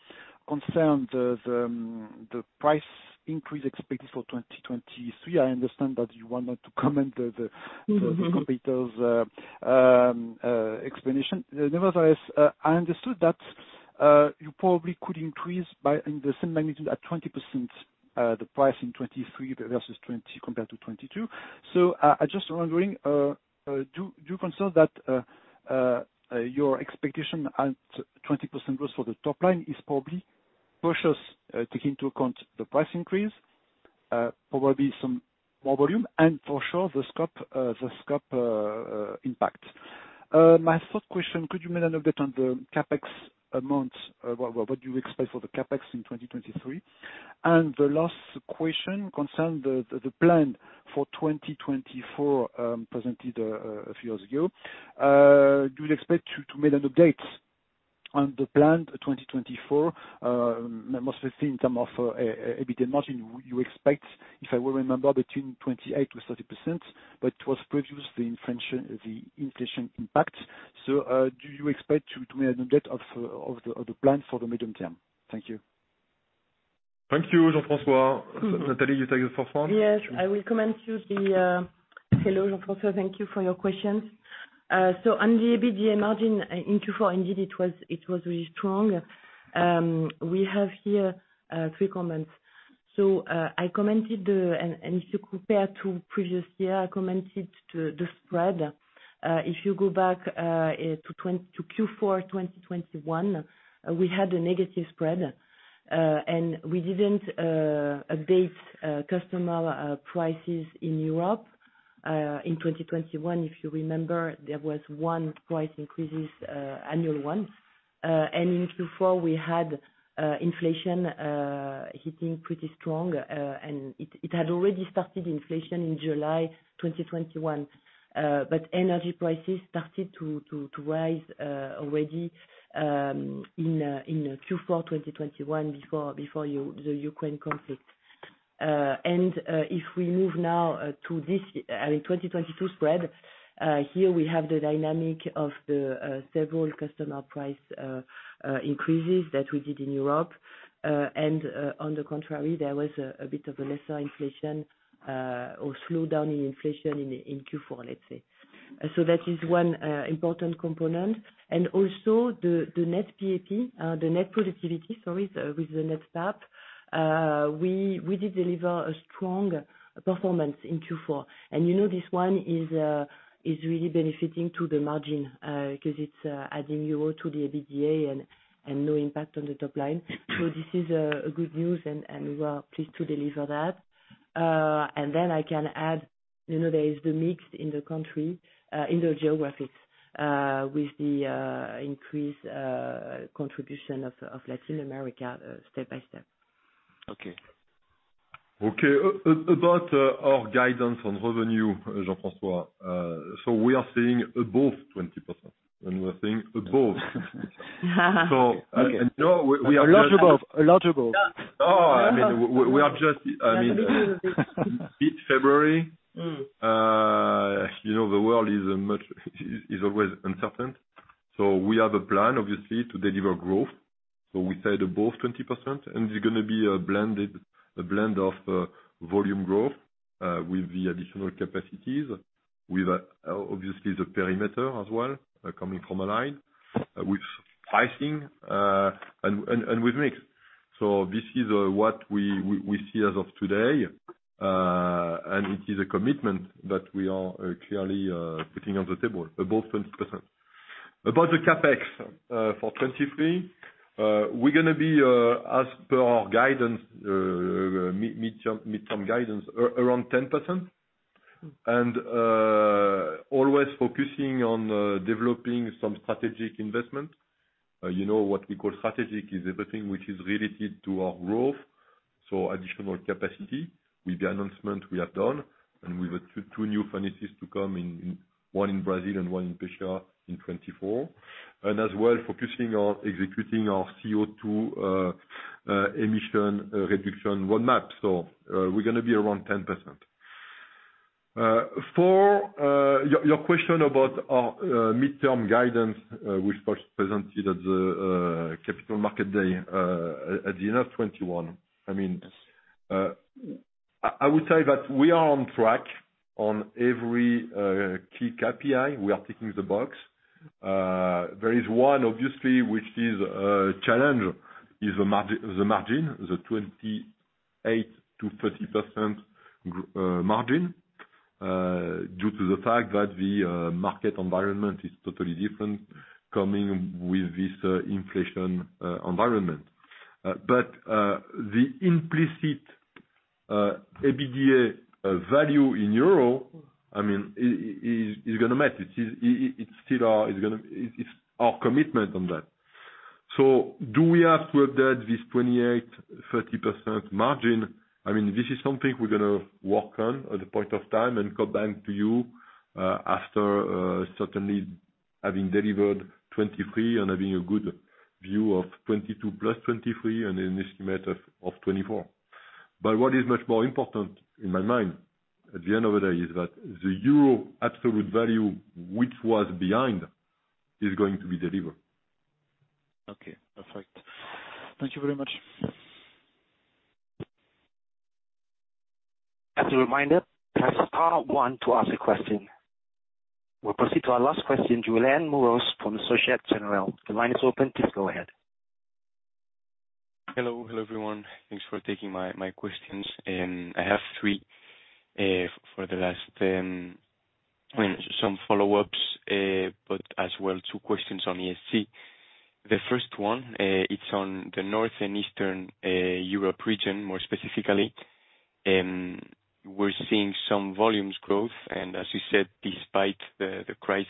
concern the price increase expected for 2023. I understand that you wanted to comment the. Mm-hmm... the competitor's explanation. Nevertheless, I understood that you probably could increase by in the same magnitude at 20%, the price in 2023 versus 2020 compared to 2022. I just wondering, do you consider that your expectation at 20% growth for the top line is probably precious, taking into account the price increase, probably some more volume, and for sure the scope, the scope impact. My third question, could you make an update on the CapEx amount? What do you expect for the CapEx in 2023? The last question concern the plan for 2024, presented a few years ago. Do you expect to make an update on the plan 2024, mostly in term of EBITDA margin you expect, if I will remember, between 28%-30%, but was produced the inflation impact? Do you expect to make an update of the, of the plan for the medium term? Thank you. Thank you, Jean-Francois. Nathalie, you take the first one? Yes, I will comment to the. Hello, Jean-François. Thank you for your questions. On the EBITDA margin in Q4, indeed, it was really strong. We have here three comments. I commented, and if you compare to previous year, I commented to the spread. If you go back to Q4 2021, we had a negative spread. We didn't update customer prices in Europe in 2021. If you remember, there was one price increases, annual one. In Q4, we had inflation hitting pretty strong. It had already started inflation in July 2021. Energy prices started to rise already in Q4 2021 before the Ukraine conflict. If we move now to this, I mean 2022 spread, here we have the dynamic of the several customer price increases that we did in Europe. On the contrary, there was a bit of a lesser inflation or slowdown in inflation in Q4, let's say. That is one important component. Also the net PAP, the net productivity, sorry, with the net PAP, we did deliver a strong performance in Q4. You know this one is really benefiting to the margin because it's adding euro to the EBDA and no impact on the top line. This is a good news and we are pleased to deliver that. I can add, you know, there is the mix in the country, in the geographics, with the increase contribution of Latin America step by step. Okay. Okay. About our guidance on revenue, Jean-François, we are seeing above 20%. We are seeing above. No, we are just. A lot above. A lot above. No, I mean, we are just… A little bit. it's February. Mm. You know, the world is always uncertain. We have a plan, obviously, to deliver growth. We say above 20%, and it's going to be a blended, a blend of volume growth with the additional capacities, with obviously the perimeter as well, coming from aligned, with pricing, and with mix. This is what we see as of today. It is a commitment that we are clearly putting on the table, above 20%. About the CapEx for 2023, we're going to be as per our guidance, mid-term guidance, around 10%. Always focusing on developing some strategic investment. you know, what we call strategic is everything which is related to our growth, so additional capacity with the announcement we have done, and with the two new furnaces to come in, one in Brazil and one in Pescia in 2024. As well focusing on executing our CO2 emission reduction roadmap. we're going to be around 10%. For your question about our midterm guidance, we first presented at the Capital Markets Day at the end of 2021. I mean, I would say that we are on track on every key KPI, we are ticking the box. There is one obviously which is a challenge, is the margin, the 28%-30% margin, due to the fact that the market environment is totally different coming with this inflation environment. The implicit EBITDA value in EUR, I mean, is going to match. It's our commitment on that. Do we have to update this 28%-30% margin? I mean, this is something we're going to work on at the point of time and come back to you after certainly having delivered 2023 and having a good view of 2022 plus 2023 and an estimate of 2024. What is much more important in my mind, at the end of the day is that the euro absolute value, which was behind, is going to be delivered. Okay. Perfect. Thank you very much. As a reminder, press star one to ask a question. We proceed to our last question, Julien Mura from Société Générale. The line is open. Please go ahead. Hello. Hello, everyone. Thanks for taking my questions. I have three for the last, some follow-ups, as well, two questions on ESG. The first one, it's on the north and eastern Europe region, more specifically. We're seeing some volumes growth, as you said, despite the crisis,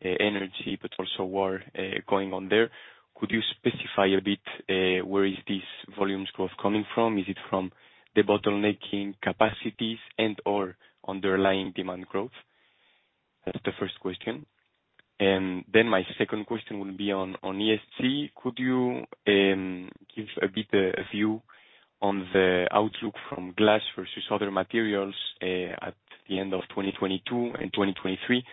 energy, also war going on there. Could you specify a bit where is this volumes growth coming from? Is it from the debottlenecking capacities and/or underlying demand growth? That's the first question. My second question would be on ESG. Could you give a bit view on the outlook from glass versus other materials at the end of 2022 and 2023,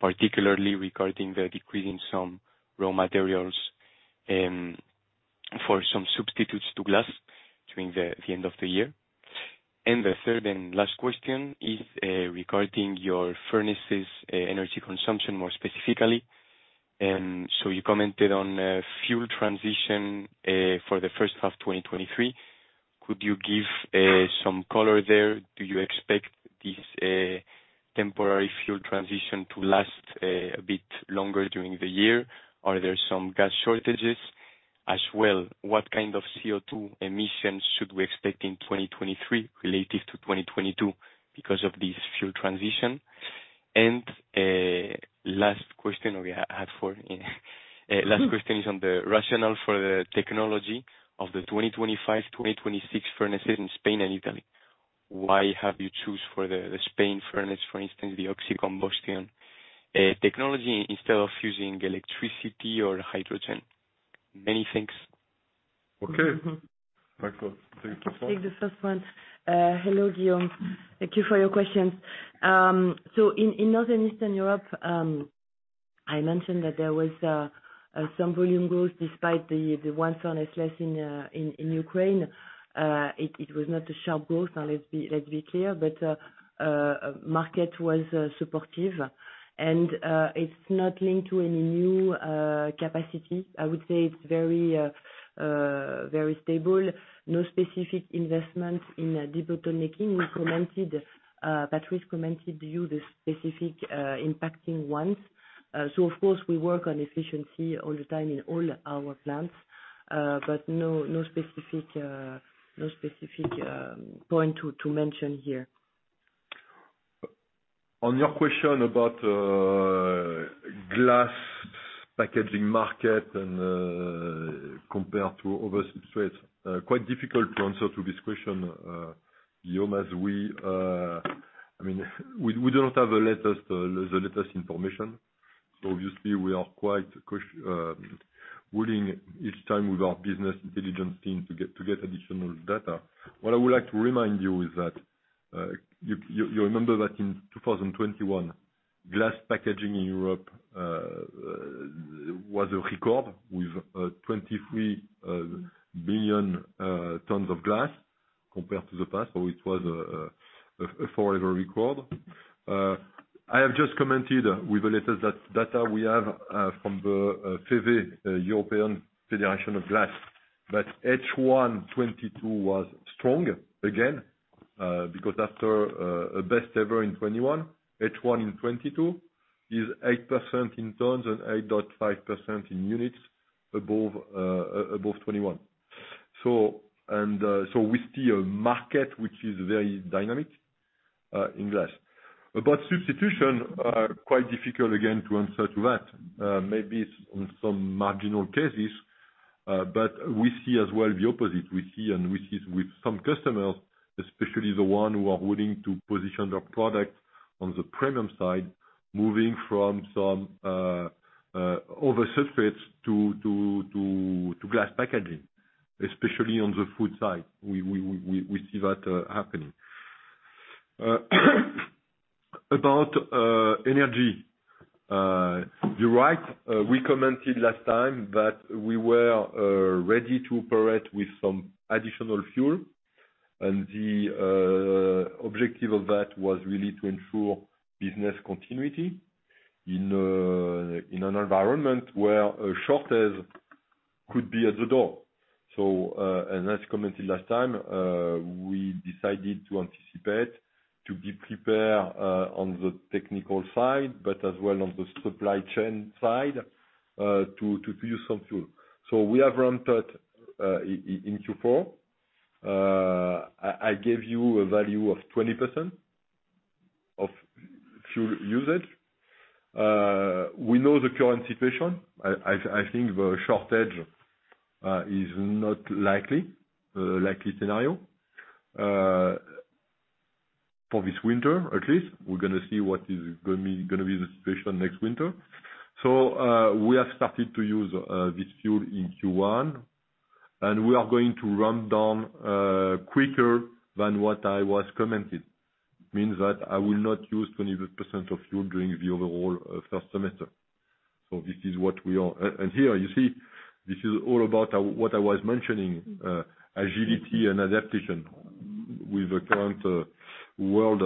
particularly regarding the decrease in some raw materials for some substitutes to glass during the end of the year? The third and last question is regarding your furnaces, energy consumption, more specifically. You commented on fuel transition for the first half 2023. Could you give some color there? Do you expect this temporary fuel transition to last a bit longer during the year? Are there some gas shortages? As well, what kind of CO2 emissions should we expect in 2023 related to 2022 because of this fuel transition? Last question... We had four. Last question is on the rationale for the technology of the 2025, 2026 furnaces in Spain and Italy. Why have you choose for the Spain furnace, for instance, the oxy-combustion technology instead of using electricity or hydrogen? Many thanks. Okay. Mm-hmm. Thank you. I'll take the first one. Hello, Julien. Thank you for your questions. So in Northern Eastern Europe, I mentioned that there was some volume growth despite the one furnace less in Ukraine. It was not a sharp growth, now let's be, let's be clear, but market was supportive. It's not linked to any new capacity. I would say it's very stable. No specific investment in debottlenecking. We commented, Patrice commented to you the specific impacting ones. Of course, we work on efficiency all the time in all our plants, but no specific, no specific point to mention here. On your question about glass packaging market and compared to other substrates, quite difficult to answer to this question, Julien, as we... I mean, we do not have the latest information, so obviously we are quite willing each time with our business intelligence team to get additional data. What I would like to remind you is that you remember that in 2021, glass packaging in Europe was a record with 23 billion tons of glass. Compared to the past, it was a forever record. I have just commented with the latest that data we have from the FEVE, European Federation of Glass. That H1 2022 was strong again, because after a best ever in 2021, H1 in 2022 is 8% in tons and 8.5% in units above 2021. We see a market which is very dynamic in glass. About substitution, quite difficult again to answer to that. Maybe on some marginal cases, we see as well the opposite. We see with some customers, especially the one who are willing to position their product on the premium side, moving from some other substrates to glass packaging, especially on the food side, we see that happening. About energy. You're right. We commented last time that we were ready to operate with some additional fuel. The objective of that was really to ensure business continuity in an environment where a shortage could be at the door. As commented last time, we decided to anticipate, to be prepared on the technical side, but as well on the supply chain side to use some fuel. We have ramped up in Q4. I gave you a value of 20% of fuel usage. We know the current situation. I think the shortage is not likely scenario for this winter, at least. We're going to see what is going to be the situation next winter. We have started to use this fuel in Q1, and we are going to ramp down quicker than what I was commented. Means that I will not use 20% of fuel during the overall first semester. This is what we are... and here, you see, this is all about what I was mentioning, agility and adaptation with the current world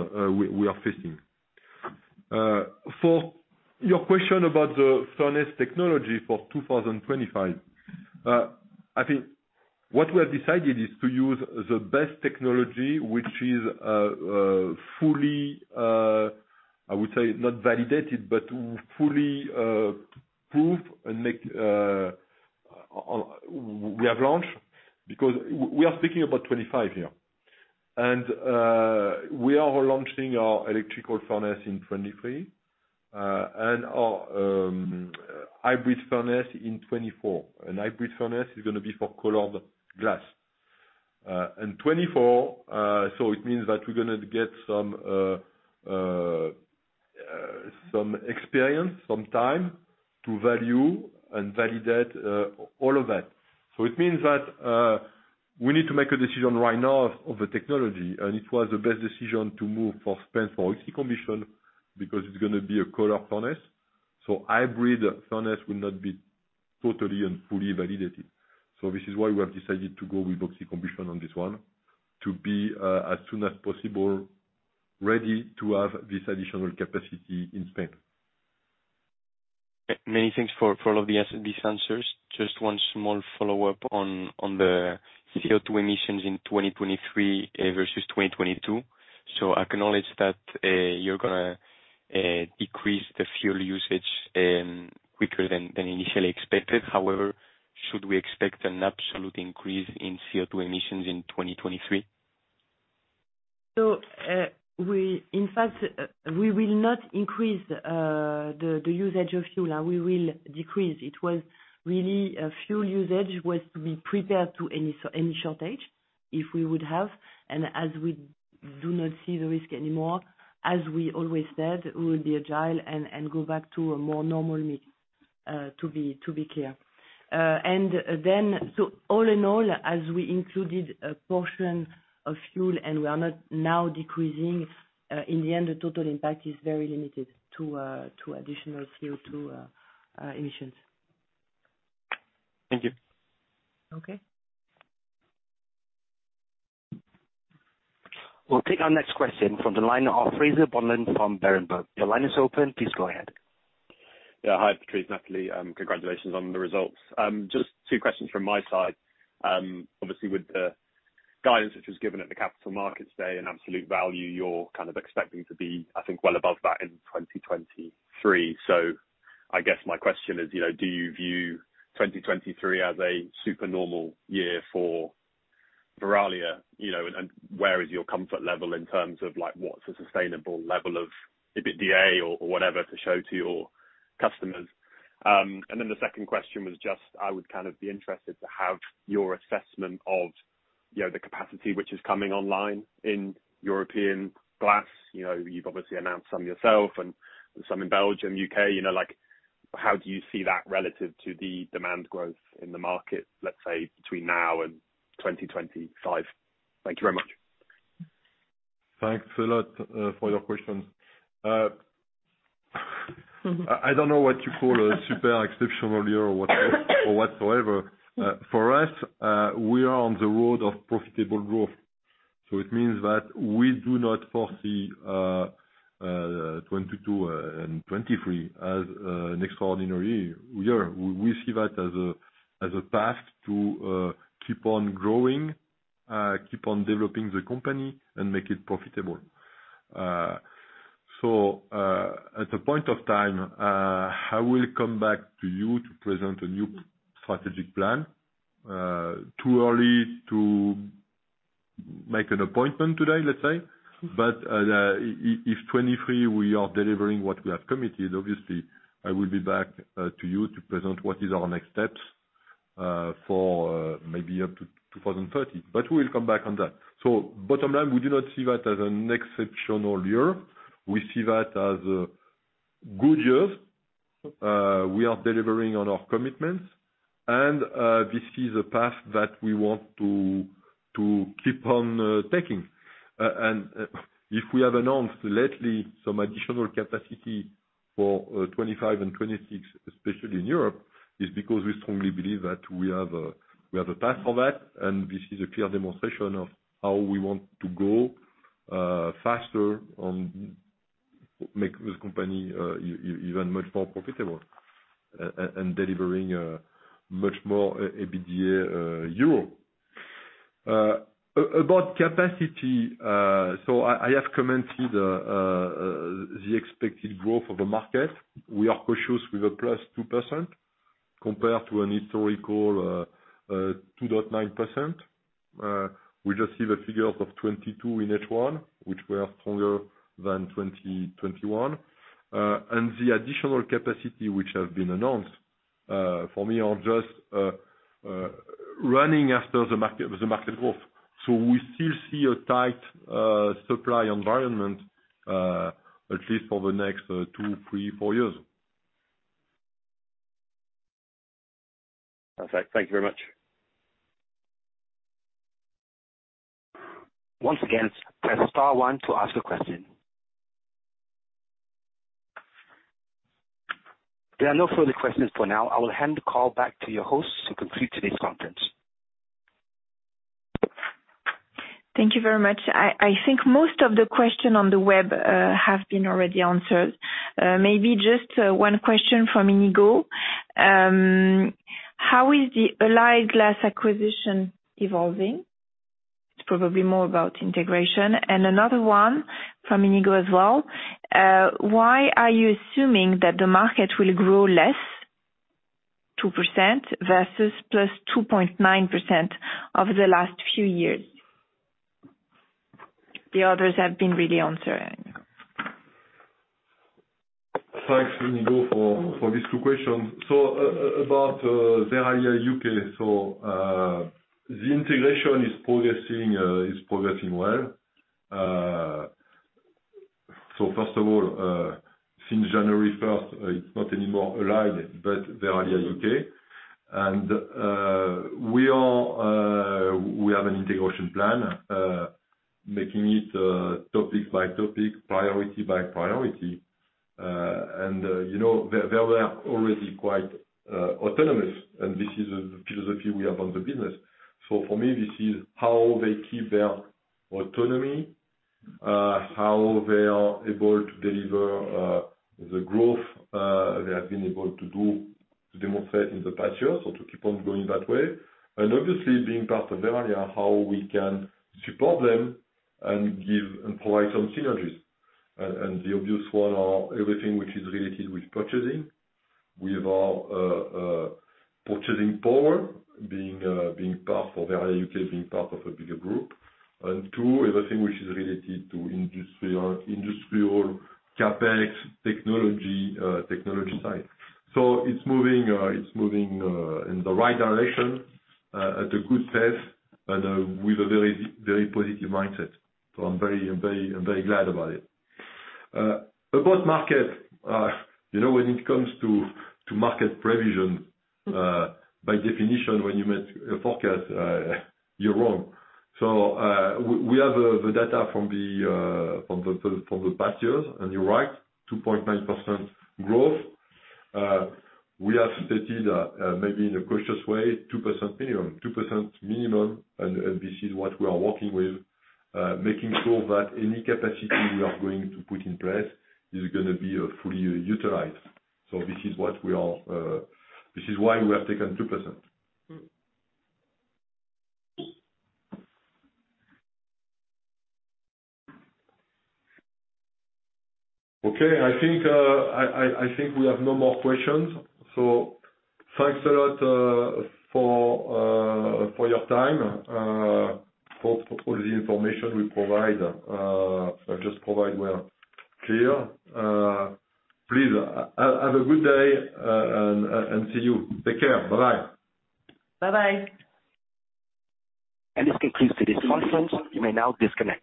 we are facing. For your question about the furnace technology for 2025, I think what we have decided is to use the best technology, which is fully, I would say not validated, but fully approved and make, we have launched. Because we are speaking about 2025 here. We are launching our electrical furnace in 2023 and our hybrid furnace in 2024. Hybrid furnace is going to be for colored glass. 2024. It means that we're going to get some experience, some time to value and validate all of that. It means that we need to make a decision right now of the technology, and it was the best decision to move for Spain for oxy-combustion because it's going to be a color furnace. Hybrid furnace will not be totally and fully validated. This is why we have decided to go with oxy-combustion on this one, to be as soon as possible ready to have this additional capacity in Spain. Many thanks for all of the SMB sensors. Just one small follow-up on the CO2 emissions in 2023 versus 2022. I acknowledge that you're going to decrease the fuel usage quicker than initially expected. However, should we expect an absolute increase in CO2 emissions in 2023? In fact, we will not increase the usage of fuel. We will decrease. It was really a fuel usage was to be prepared to any shortage if we would have. As we do not see the risk anymore, as we always said, we will be agile and go back to a more normal mix to be clear. All in all, as we included a portion of fuel and we are not now decreasing, in the end, the total impact is very limited to additional CO2 emissions. Thank you. Okay. We'll take our next question from the line of Linus Fridolf from Berenberg. Your line is open. Please go ahead. Yeah. Hi, Patrice, Nathalie. Congratulations on the results. Just two questions from my side. Obviously with the guidance which was given at the Capital Markets Day and absolute value, you're kind of expecting to be, I think, well above that in 2023. I guess my question is, you know, do you view 2023 as a super normal year for Verallia? You know, and where is your comfort level in terms of like, what's a sustainable level of EBITDA or whatever to show to your customers? Then the second question was just I would kind of be interested to have your assessment of, you know, the capacity which is coming online in European Glass. You know, you've obviously announced some yourself and some in Belgium, UK. You know, like, how do you see that relative to the demand growth in the market, let's say between now and 2025? Thank you very much. Thanks a lot for your questions. I don't know what you call a super exceptional year or whatsoever. For us, we are on the road of profitable growth, so it means that we do not foresee 2022 and 2023 as an extraordinary year. We see that as a path to keep on growing, keep on developing the company and make it profitable. At a point of time, I will come back to you to present a new strategic plan. Too early to make an appointment today, let's say. If 2023 we are delivering what we have committed, obviously, I will be back to you to present what is our next steps for maybe up to 2030. We'll come back on that. Bottom line, we do not see that as an exceptional year. We see that as a good year. We are delivering on our commitments and this is a path that we want to keep on taking. If we have announced lately some additional capacity for 2025 and 2026, especially in Europe, it's because we strongly believe that we have a path for that, and this is a clear demonstration of how we want to go faster and make the company even much more profitable and delivering much more EBITDA euro. About capacity, I have commented the expected growth of the market. We are cautious with a +2% compared to an historical 2.9%. We just see the figures of 2022 in H1, which were stronger than 2021. The additional capacity which has been announced, for me are just running after the market, the market growth. We still see a tight supply environment, at least for the next two, three, four years. Perfect. Thank you very much. Once again, press star one to ask a question. There are no further questions for now. I will hand the call back to your host to conclude today's conference. Thank you very much. I think most of the question on the web, have been already answered. Maybe just, 1 question from Íñigo. How is the Allied Glass acquisition evolving? It's probably more about integration. Another one from Íñigo as well, why are you assuming that the market will grow -2% versus +2.9% over the last few years? The others have been really answered. Thanks, Íñigo for these two questions. About Verallia UK. The integration is progressing well. First of all, since January first, it's not anymore Allied, but Verallia UK. We have an integration plan, making it topic by topic, priority by priority. You know, they were already quite autonomous, and this is the philosophy we have on the business. For me, this is how they keep their autonomy, how they are able to deliver the growth they have been able to do to demonstrate in the past years or to keep on going that way. Obviously being part of Verallia, how we can support them and give and provide some synergies. The obvious one are everything which is related with purchasing. We have our purchasing power being part of Verallia UK, being part of a bigger group, and two, everything which is related to industry or CapEx technology side. It's moving in the right direction at a good pace and with a very positive mindset. I'm very glad about it. About market, you know, when it comes to market prevision, by definition, when you make a forecast, you're wrong. We have the data from the past years, and you're right, 2.9% growth. We have stated maybe in a cautious way, 2% minimum. 2% minimum, and this is what we are working with, making sure that any capacity we are going to put in place is going to be fully utilized. This is what we are. This is why we have taken 2%. Okay. I think we have no more questions. Thanks a lot for your time, for all the information we provide or just provide. We're clear. Please have a good day and see you. Take care. Bye-bye. Bye-bye. This concludes today's conference. You may now disconnect.